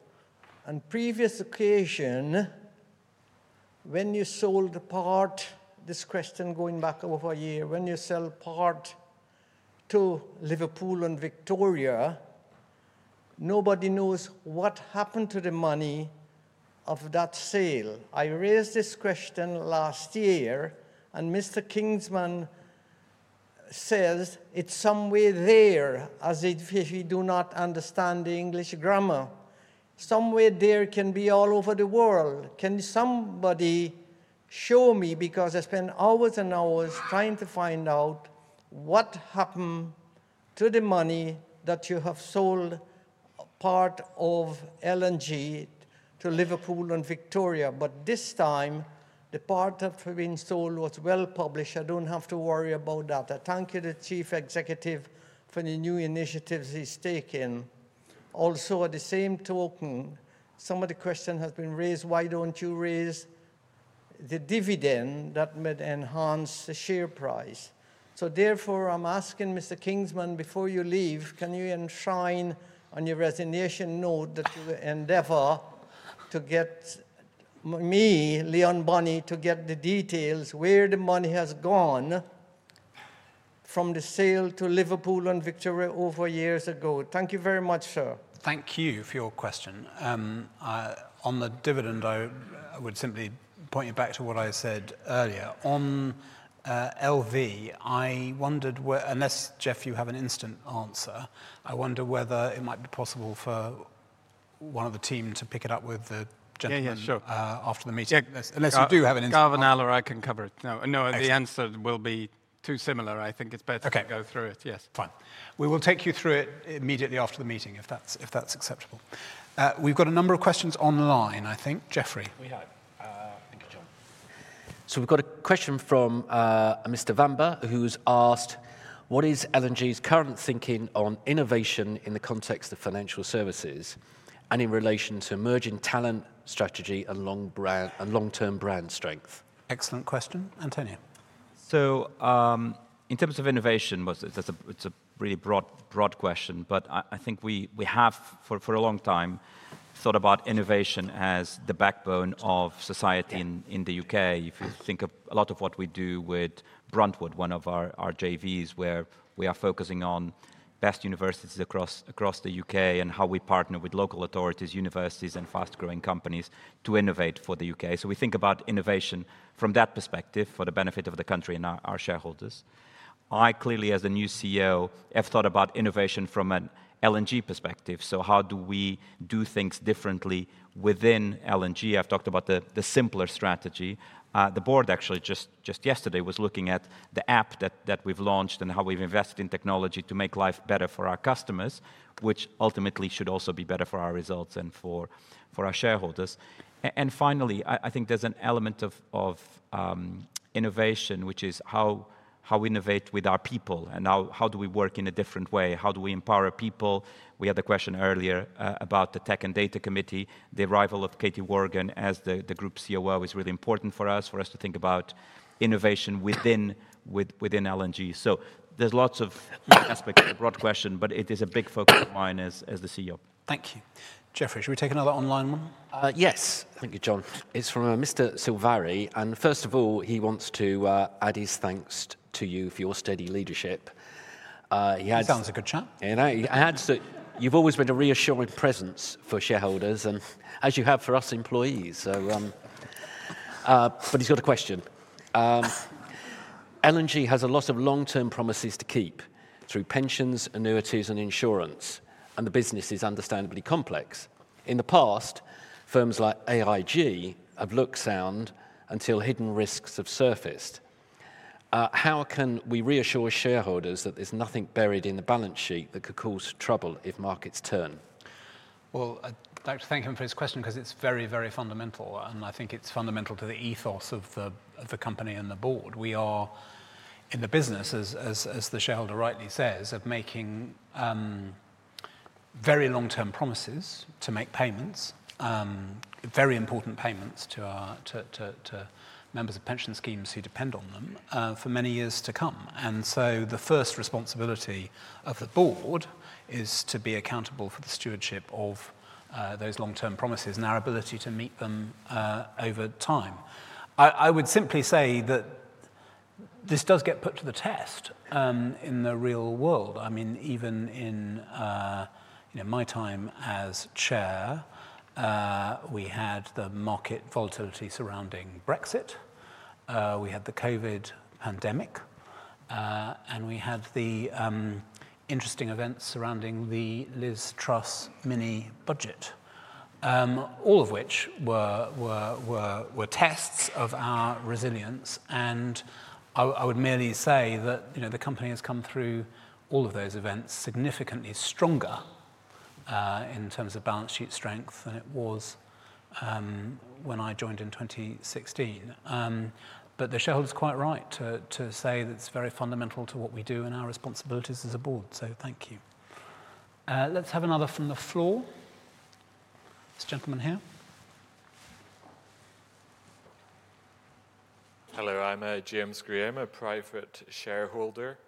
On previous occasion, when you sold part, this question going back over a year, when you sell part to Liverpool Victoria, nobody knows what happened to the money of that sale. I raised this question last year, and Mr. Kingman says it's somewhere there as if he does not understand the English grammar. Somewhere there can be all over the world. Can somebody show me because I spent hours and hours trying to find out what happened to the money that you have sold part of L&G to Liverpool Victoria. This time, the part that has been sold was well published. I don't have to worry about that. I thank you, the Chief Executive, for the new initiatives he's taken. Also, at the same token, some of the questions have been raised. Why don't you raise the dividend that may enhance the share price? Therefore, I'm asking Mr. Kingman, before you leave, can you enshrine on your resignation note that you endeavor to get me, Leon Boni, to get the details where the money has gone from the sale to Liverpool Victoria over years ago? Thank you very much, sir. Thank you for your question. On the dividend, I would simply point you back to what I said earlier. On LV, I wondered, unless Jeff, you have an instant answer, I wonder whether it might be possible for one of the team to pick it up with the gentleman after the meeting. Unless you do have an instant. Carven Aller, I can cover it. No, the answer will be too similar. I think it's better to go through it. Yes. Fine. We will take you through it immediately after the meeting if that is acceptable. We have got a number of questions online, I think. Geoffrey. We have. Thank you, John. We've got a question from Mr. Vamba, who's asked, what is L&G's current thinking on innovation in the context of financial services and in relation to emerging talent strategy and long-term brand strength? Excellent question. Antonio. In terms of innovation, it's a really broad question, but I think we have for a long time thought about innovation as the backbone of society in the U.K. If you think of a lot of what we do with Bruntwood, one of our JVs, where we are focusing on best universities across the U.K. and how we partner with local authorities, universities, and fast-growing companies to innovate for the U.K. We think about innovation from that perspective for the benefit of the country and our shareholders. I clearly, as a new CEO, have thought about innovation from an L&G perspective. How do we do things differently within L&G? I've talked about the simpler strategy. The board actually just yesterday was looking at the app that we've launched and how we've invested in technology to make life better for our customers, which ultimately should also be better for our results and for our shareholders. Finally, I think there's an element of innovation, which is how we innovate with our people and how do we work in a different way. How do we empower people? We had the question earlier about the Tech and Data Committee. The arrival of Katie Worgan as the Group COO is really important for us, for us to think about innovation within L&G. There are lots of aspects of the broad question, but it is a big focus of mine as the CEO. Thank you. Geoffrey, should we take another online one? Yes. Thank you, John. It's from Mr. Silvari. First of all, he wants to add his thanks to you for your steady leadership. He has. Sounds like a good chap. You've always been a reassuring presence for shareholders, and as you have for us employees. He has got a question. L&G has a lot of long-term promises to keep through pensions, annuities, and insurance, and the business is understandably complex. In the past, firms like AIG have looked sound until hidden risks have surfaced. How can we reassure shareholders that there's nothing buried in the balance sheet that could cause trouble if markets turn? I would like to thank him for his question because it is very, very fundamental. I think it is fundamental to the ethos of the company and the board. We are in the business, as the shareholder rightly says, of making very long-term promises to make payments, very important payments to members of pension schemes who depend on them for many years to come. The first responsibility of the board is to be accountable for the stewardship of those long-term promises and our ability to meet them over time. I would simply say that this does get put to the test in the real world. I mean, even in my time as Chair, we had the market volatility surrounding Brexit. We had the COVID pandemic, and we had the interesting events surrounding the Liz Truss mini-budget, all of which were tests of our resilience. I would merely say that the company has come through all of those events significantly stronger in terms of balance sheet strength than it was when I joined in 2016. The shareholders are quite right to say that it's very fundamental to what we do and our responsibilities as a board. Thank you. Let's have another from the floor. This gentleman here. Hello. I'm James Graham, a private shareholder.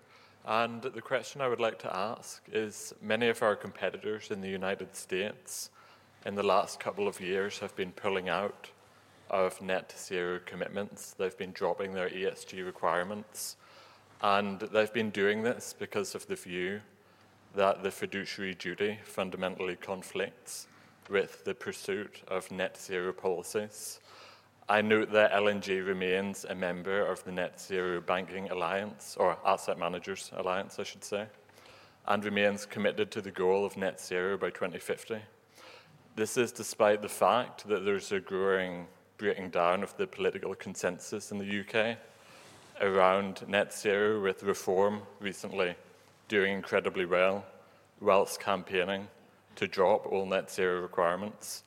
The question I would like to ask is, many of our competitors in the U.S. in the last couple of years have been pulling out of net zero commitments. They've been dropping their ESG requirements. They've been doing this because of the view that the fiduciary duty fundamentally conflicts with the pursuit of net zero policies. I note that L&G remains a member of the Net Zero Asset Managers Alliance, I should say, and remains committed to the goal of net zero by 2050. This is despite the fact that there's a growing breaking down of the political consensus in the U.K. around net zero with Reform recently doing incredibly well, whilst campaigning to drop all net zero requirements.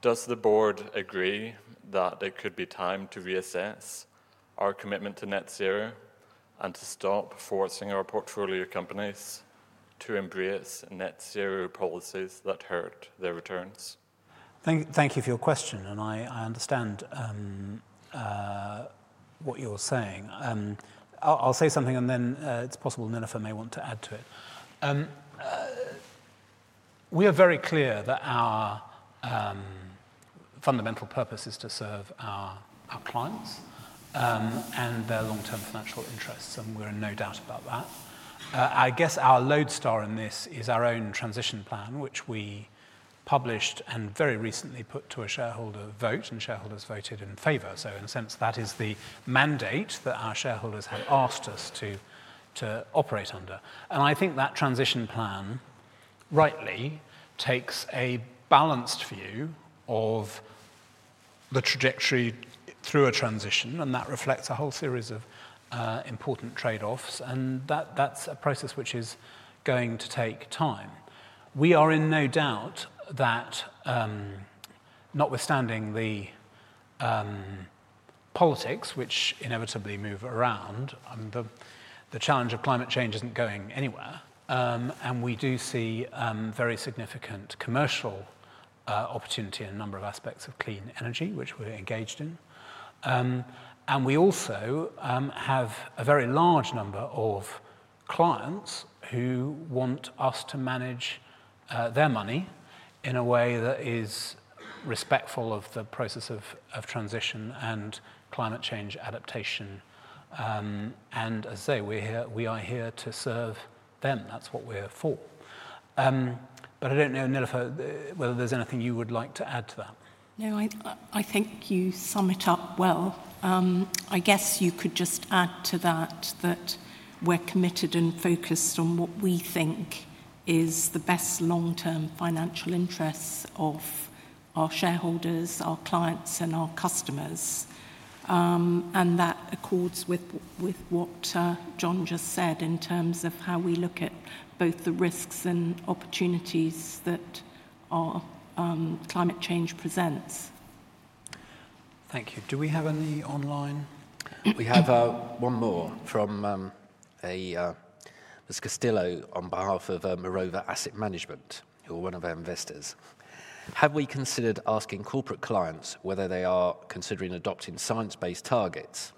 Does the board agree that it could be time to reassess our commitment to net zero and to stop forcing our portfolio companies to embrace net zero policies that hurt their returns? Thank you for your question. I understand what you're saying. I'll say something, and then it's possible Nilufer may want to add to it. We are very clear that our fundamental purpose is to serve our clients and their long-term financial interests. We're in no doubt about that. I guess our lodestar in this is our own transition plan, which we published and very recently put to a shareholder vote, and shareholders voted in favor. In a sense, that is the mandate that our shareholders have asked us to operate under. I think that transition plan rightly takes a balanced view of the trajectory through a transition, and that reflects a whole series of important trade-offs. That's a process which is going to take time. We are in no doubt that notwithstanding the politics, which inevitably move around, the challenge of climate change is not going anywhere. We do see very significant commercial opportunity in a number of aspects of clean energy, which we are engaged in. We also have a very large number of clients who want us to manage their money in a way that is respectful of the process of transition and climate change adaptation. As I say, we are here to serve them. That is what we are for. I do not know, Nilufer, whether there is anything you would like to add to that. No, I think you sum it up well. I guess you could just add to that that we're committed and focused on what we think is the best long-term financial interests of our shareholders, our clients, and our customers. That accords with what John just said in terms of how we look at both the risks and opportunities that climate change presents. Thank you. Do we have any online? We have one more from Ms. Castillo on behalf of Merova Asset Management, who are one of our investors. Have we considered asking corporate clients whether they are considering adopting science-based targets?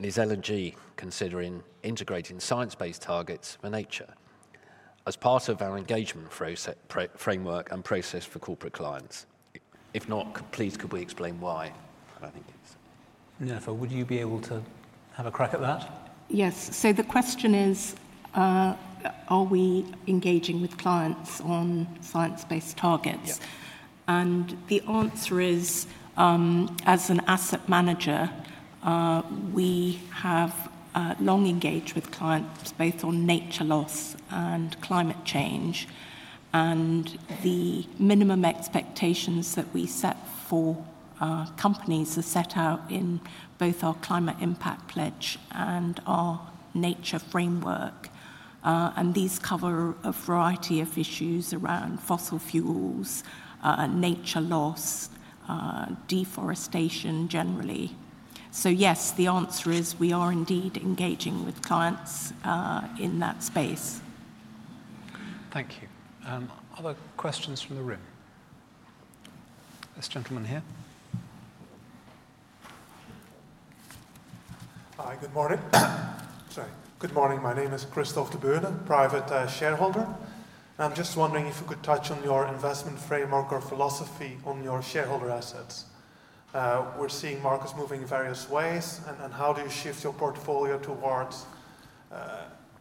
Is L&G considering integrating science-based targets with nature as part of our engagement framework and process for corporate clients? If not, please, could we explain why? Nilufer, would you be able to have a crack at that? Yes. The question is, are we engaging with clients on science-based targets? The answer is, as an asset manager, we have long engaged with clients both on nature loss and climate change. The minimum expectations that we set for companies are set out in both our climate impact pledge and our nature framework. These cover a variety of issues around fossil fuels, nature loss, deforestation generally. Yes, the answer is we are indeed engaging with clients in that space. Thank you. Other questions from the room? This gentleman here. Hi, good morning. Sorry. Good morning. My name is Christoph de Boerne, private shareholder. I'm just wondering if you could touch on your investment framework or philosophy on your shareholder assets. We're seeing markets moving in various ways. How do you shift your portfolio towards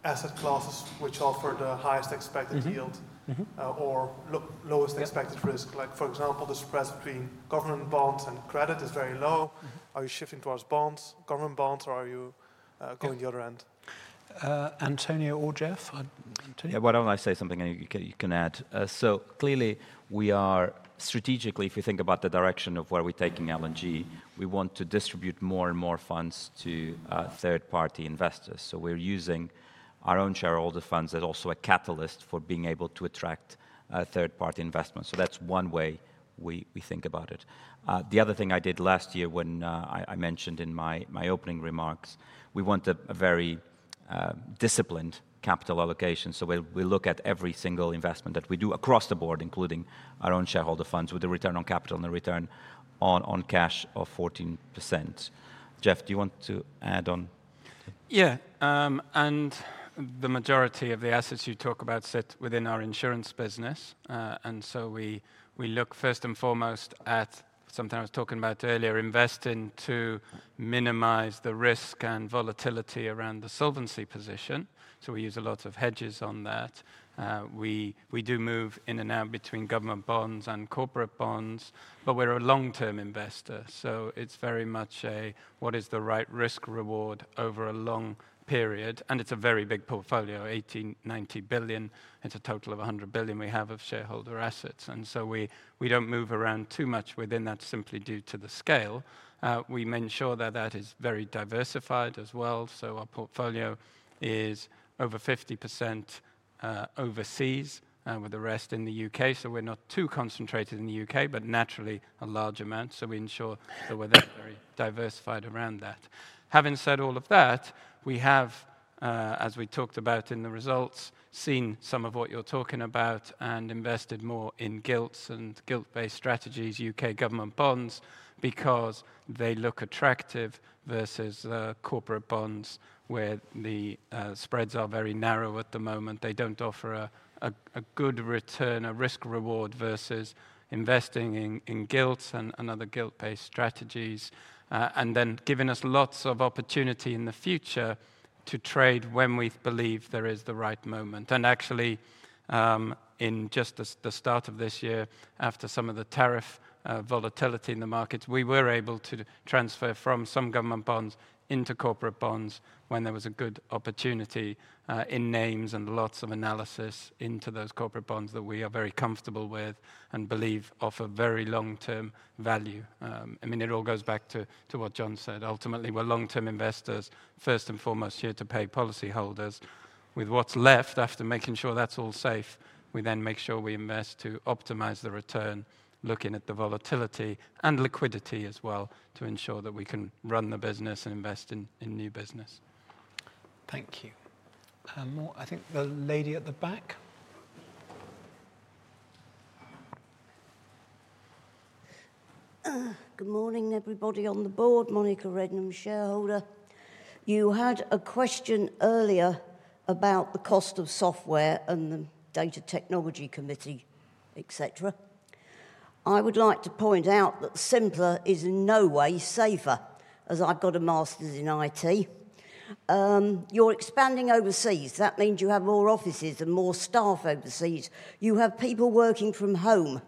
asset classes which offer the highest expected yield or lowest expected risk? Like, for example, the spreads between government bonds and credit are very low. Are you shifting towards government bonds, or are you going the other end? Antonio or Jeff? Why do not I say something and you can add? Clearly, we are strategically, if you think about the direction of where we are taking L&G, we want to distribute more and more funds to third-party investors. We are using our own shareholder funds as also a catalyst for being able to attract third-party investments. That is one way we think about it. The other thing I did last year when I mentioned in my opening remarks, we want a very disciplined capital allocation. We look at every single investment that we do across the board, including our own shareholder funds with a return on capital and a return on cash of 14%. Jeff, do you want to add on? Yeah. The majority of the assets you talk about sit within our insurance business. We look first and foremost at something I was talking about earlier, investing to minimize the risk and volatility around the solvency position. We use a lot of hedges on that. We do move in and out between government bonds and corporate bonds, but we're a long-term investor. It is very much a what is the right risk-reward over a long period. It is a very big portfolio, 1,890 billion. It is a total of 100 billion we have of shareholder assets. We do not move around too much within that simply due to the scale. We make sure that that is very diversified as well. Our portfolio is over 50% overseas with the rest in the U.K. We are not too concentrated in the U.K., but naturally a large amount. We ensure that we're very diversified around that. Having said all of that, we have, as we talked about in the results, seen some of what you're talking about and invested more in Gilts and Gilt-based strategies, U.K. government bonds, because they look attractive versus corporate bonds where the spreads are very narrow at the moment. They do not offer a good return, a risk-reward versus investing in Gilts and other Gilt-based strategies, and then giving us lots of opportunity in the future to trade when we believe there is the right moment. Actually, in just the start of this year, after some of the tariff volatility in the markets, we were able to transfer from some government bonds into corporate bonds when there was a good opportunity in names and lots of analysis into those corporate bonds that we are very comfortable with and believe offer very long-term value. I mean, it all goes back to what John said. Ultimately, we are long-term investors, first and foremost here to pay policyholders. With what is left after making sure that is all safe, we then make sure we invest to optimize the return, looking at the volatility and liquidity as well to ensure that we can run the business and invest in new business. Thank you. I think the lady at the back. Good morning, everybody on the board. Monica Rednum, shareholder. You had a question earlier about the cost of software and the data technology committee, etc. I would like to point out that simpler is in no way safer, as I've got a master's in IT. You're expanding overseas. That means you have more offices and more staff overseas. You have people working from home.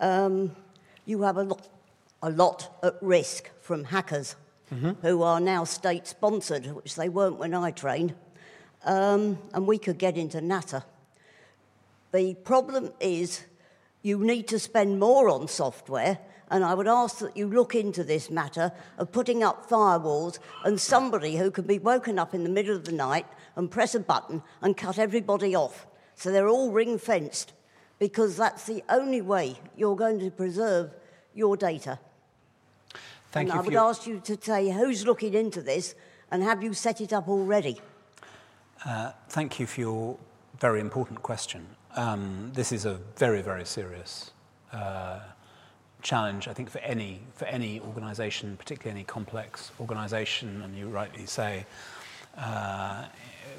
You have a lot at risk from hackers who are now state-sponsored, which they weren't when I trained. We could get into NATO. The problem is you need to spend more on software. I would ask that you look into this matter of putting up firewalls and somebody who can be woken up in the middle of the night and press a button and cut everybody off. They're all ring-fenced because that's the only way you're going to preserve your data. Thank you for your. I would ask you to say who's looking into this, and have you set it up already? Thank you for your very important question. This is a very, very serious challenge, I think, for any organization, particularly any complex organization. You rightly say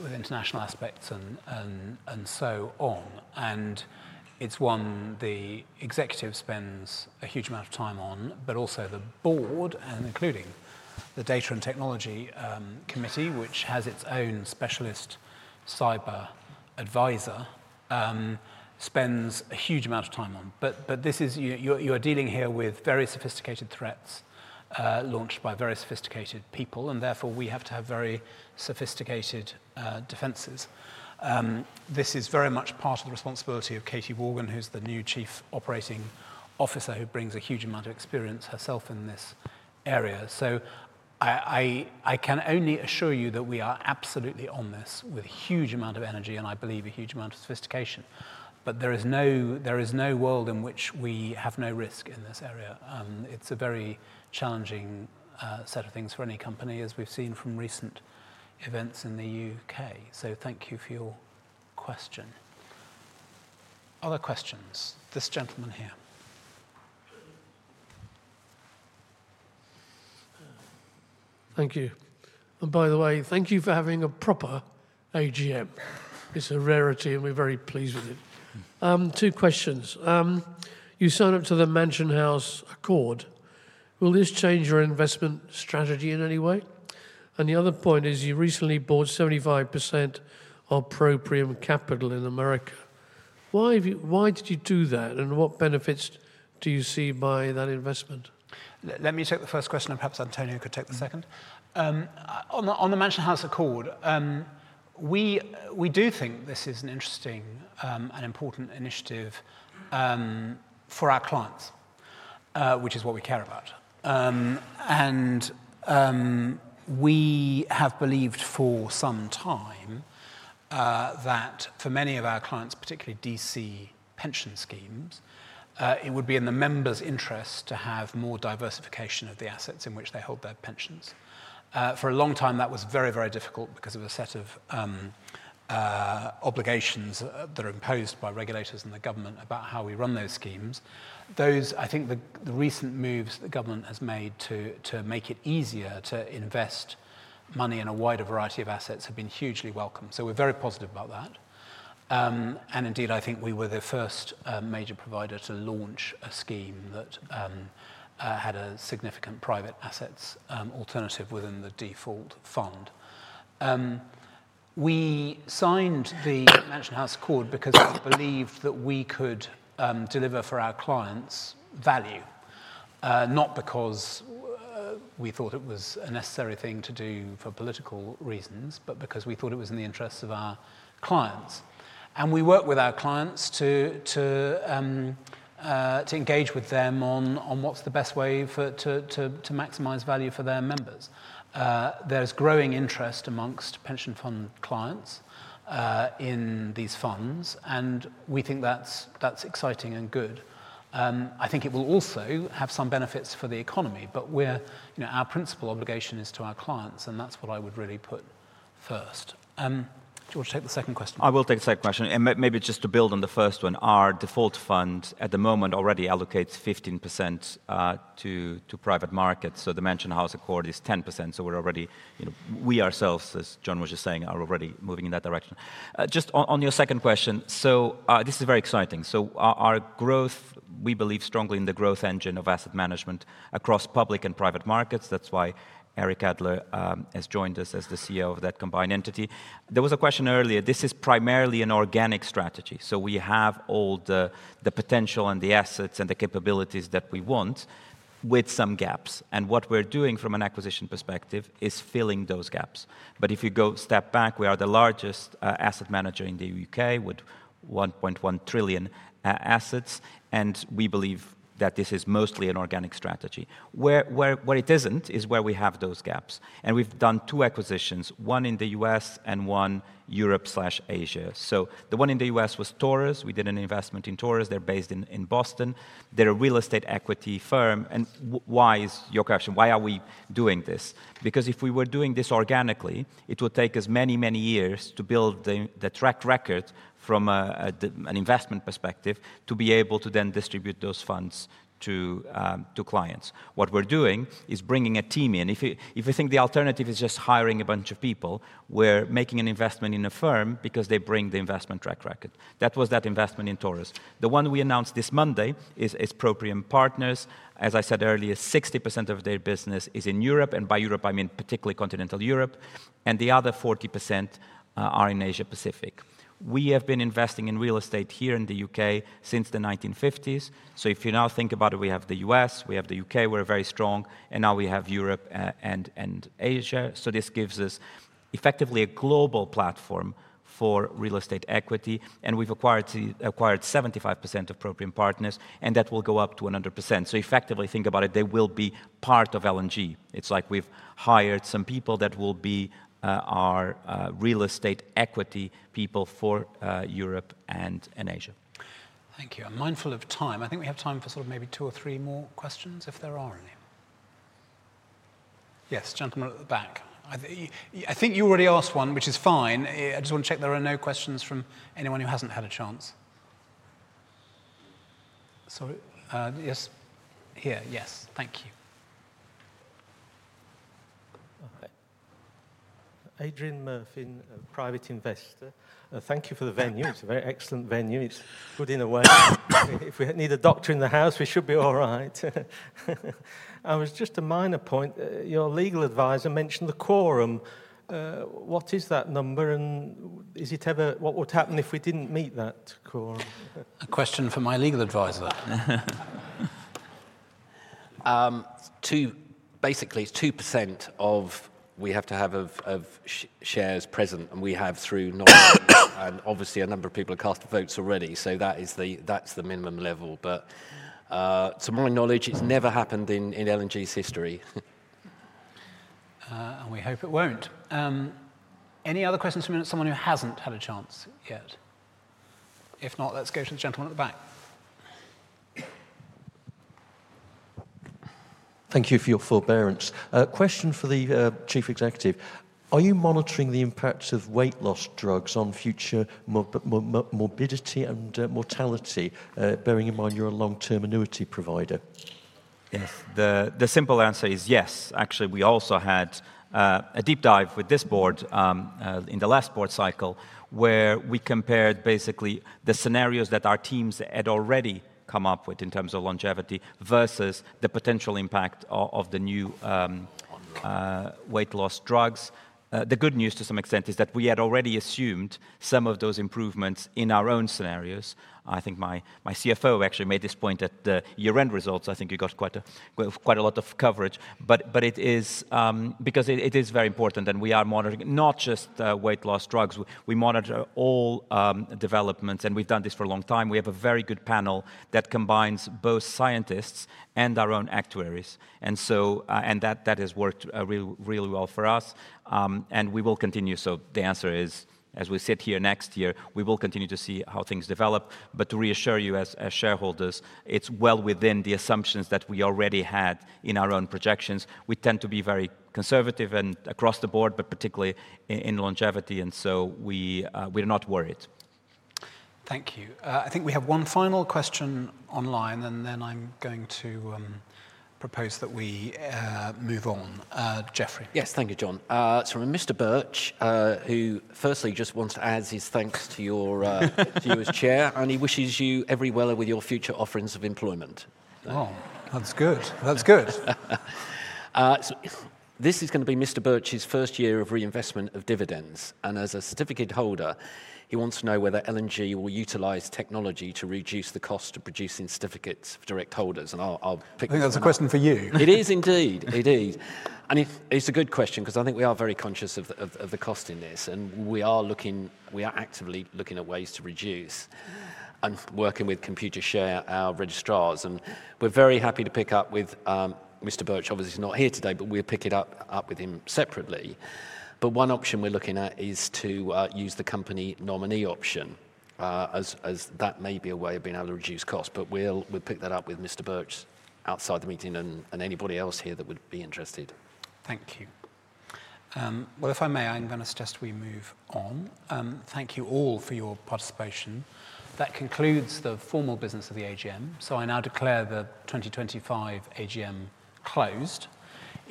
with international aspects and so on. It is one the executive spends a huge amount of time on, but also the board, including the Data and Technology Committee, which has its own specialist cyber advisor, spends a huge amount of time on. You are dealing here with very sophisticated threats launched by very sophisticated people. Therefore, we have to have very sophisticated defenses. This is very much part of the responsibility of Katie Worgan, who's the new Chief Operating Officer, who brings a huge amount of experience herself in this area. I can only assure you that we are absolutely on this with a huge amount of energy and I believe a huge amount of sophistication. There is no world in which we have no risk in this area. It is a very challenging set of things for any company, as we have seen from recent events in the U.K. Thank you for your question. Other questions? This gentleman here. Thank you. By the way, thank you for having a proper AGM. It's a rarity, and we're very pleased with it. Two questions. You signed up to the Mansion House Accord. Will this change your investment strategy in any way? The other point is you recently bought 75% of Proprium Capital in America. Why did you do that, and what benefits do you see by that investment? Let me take the first question, and perhaps Antonio could take the second. On the Mansion House Accord, we do think this is an interesting and important initiative for our clients, which is what we care about. We have believed for some time that for many of our clients, particularly DC pension schemes, it would be in the members' interest to have more diversification of the assets in which they hold their pensions. For a long time, that was very, very difficult because of a set of obligations that are imposed by regulators and the government about how we run those schemes. I think the recent moves the government has made to make it easier to invest money in a wider variety of assets have been hugely welcomed. We are very positive about that. I think we were the first major provider to launch a scheme that had a significant private assets alternative within the default fund. We signed the Mansion House Accord because we believed that we could deliver for our clients value, not because we thought it was a necessary thing to do for political reasons, but because we thought it was in the interests of our clients. We work with our clients to engage with them on what is the best way to maximize value for their members. There is growing interest amongst pension fund clients in these funds, and we think that is exciting and good. I think it will also have some benefits for the economy. Our principal obligation is to our clients, and that is what I would really put first. Do you want to take the second question? I will take the second question. Maybe just to build on the first one, our default fund at the moment already allocates 15% to private markets. The Mansion House Accord is 10%. We ourselves, as John was just saying, are already moving in that direction. Just on your second question, this is very exciting. Our growth, we believe strongly in the growth engine of asset management across public and private markets. That is why Eric Adler has joined us as the CEO of that combined entity. There was a question earlier. This is primarily an organic strategy. We have all the potential and the assets and the capabilities that we want with some gaps. What we are doing from an acquisition perspective is filling those gaps. If you go a step back, we are the largest asset manager in the U.K. with 1.1 trillion assets. We believe that this is mostly an organic strategy. Where it is not is where we have those gaps. We have done two acquisitions, one in the U.S. and one Europe/Asia. The one in the U.S. was Taurus. We did an investment in Taurus. They are based in Boston. They are a real estate equity firm. Your question, why are we doing this? If we were doing this organically, it would take us many, many years to build the track record from an investment perspective to be able to then distribute those funds to clients. What we are doing is bringing a team in. If you think the alternative is just hiring a bunch of people, we are making an investment in a firm because they bring the investment track record. That was that investment in Taurus. The one we announced this Monday is Proprium Capital Partners. As I said earlier, 60% of their business is in Europe. And by Europe, I mean particularly continental Europe. The other 40% are in Asia-Pacific. We have been investing in real estate here in the U.K. since the 1950s. If you now think about it, we have the U.S., we have the U.K., we're very strong, and now we have Europe and Asia. This gives us effectively a global platform for real estate equity. We have acquired 75% of Proprium Capital Partners, and that will go up to 100%. Effectively, think about it, they will be part of L&G. It's like we've hired some people that will be our real estate equity people for Europe and Asia. Thank you. I'm mindful of time. I think we have time for sort of maybe two or three more questions if there are any. Yes, gentleman at the back. I think you already asked one, which is fine. I just want to check there are no questions from anyone who hasn't had a chance. Sorry. Yes. Here. Yes. Thank you. Adrian Murphy, private investor. Thank you for the venue. It is a very excellent venue. It is good in a way. If we need a doctor in the house, we should be all right. I was just a minor point. Your legal advisor mentioned the quorum. What is that number? What would happen if we did not meet that quorum? A question for my legal advisor. Basically, 2% of we have to have of shares present, and we have through knowledge. Obviously, a number of people have cast votes already. That is the minimum level. To my knowledge, it has never happened in L&G's history. We hope it will not. Any other questions from someone who has not had a chance yet? If not, let's go to the gentleman at the back. Thank you for your forbearance. Question for the Chief Executive. Are you monitoring the impacts of weight loss drugs on future morbidity and mortality, bearing in mind you're a long-term annuity provider? Yes. The simple answer is yes. Actually, we also had a deep dive with this board in the last board cycle where we compared basically the scenarios that our teams had already come up with in terms of longevity versus the potential impact of the new weight loss drugs. The good news to some extent is that we had already assumed some of those improvements in our own scenarios. I think my CFO actually made this point at the year-end results. I think you got quite a lot of coverage. Because it is very important, and we are monitoring not just weight loss drugs, we monitor all developments. We have done this for a long time. We have a very good panel that combines both scientists and our own actuaries. That has worked really well for us. We will continue. The answer is, as we sit here next year, we will continue to see how things develop. To reassure you as shareholders, it is well within the assumptions that we already had in our own projections. We tend to be very conservative across the board, particularly in longevity, and we are not worried. Thank you. I think we have one final question online, and then I am going to propose that we move on. Geoffrey. Yes. Thank you, John. Mr. Birch, who firstly just wants to add his thanks to you as Chair, and he wishes you every well with your future offerings of employment. Wow. That's good. That's good. This is going to be Mr. Birch's first year of reinvestment of dividends. As a certificate holder, he wants to know whether L&G will utilize technology to reduce the cost of producing certificates for direct holders. I'll pick. I think that's a question for you. It is indeed. It is. It is a good question because I think we are very conscious of the cost in this. We are actively looking at ways to reduce and working with Computershare, our registrars. We are very happy to pick up with Mr. Birch. Obviously, he is not here today, but we will pick it up with him separately. One option we are looking at is to use the company nominee option, as that may be a way of being able to reduce costs. We will pick that up with Mr. Birch outside the meeting and anybody else here that would be interested. Thank you. If I may, I'm going to suggest we move on. Thank you all for your participation. That concludes the formal business of the AGM. I now declare the 2025 AGM closed.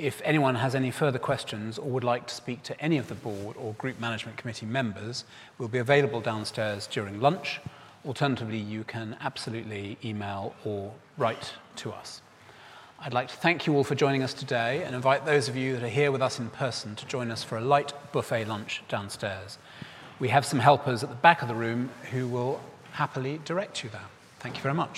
If anyone has any further questions or would like to speak to any of the board or group management committee members, we'll be available downstairs during lunch. Alternatively, you can absolutely email or write to us. I'd like to thank you all for joining us today and invite those of you that are here with us in person to join us for a light buffet lunch downstairs. We have some helpers at the back of the room who will happily direct you there. Thank you very much.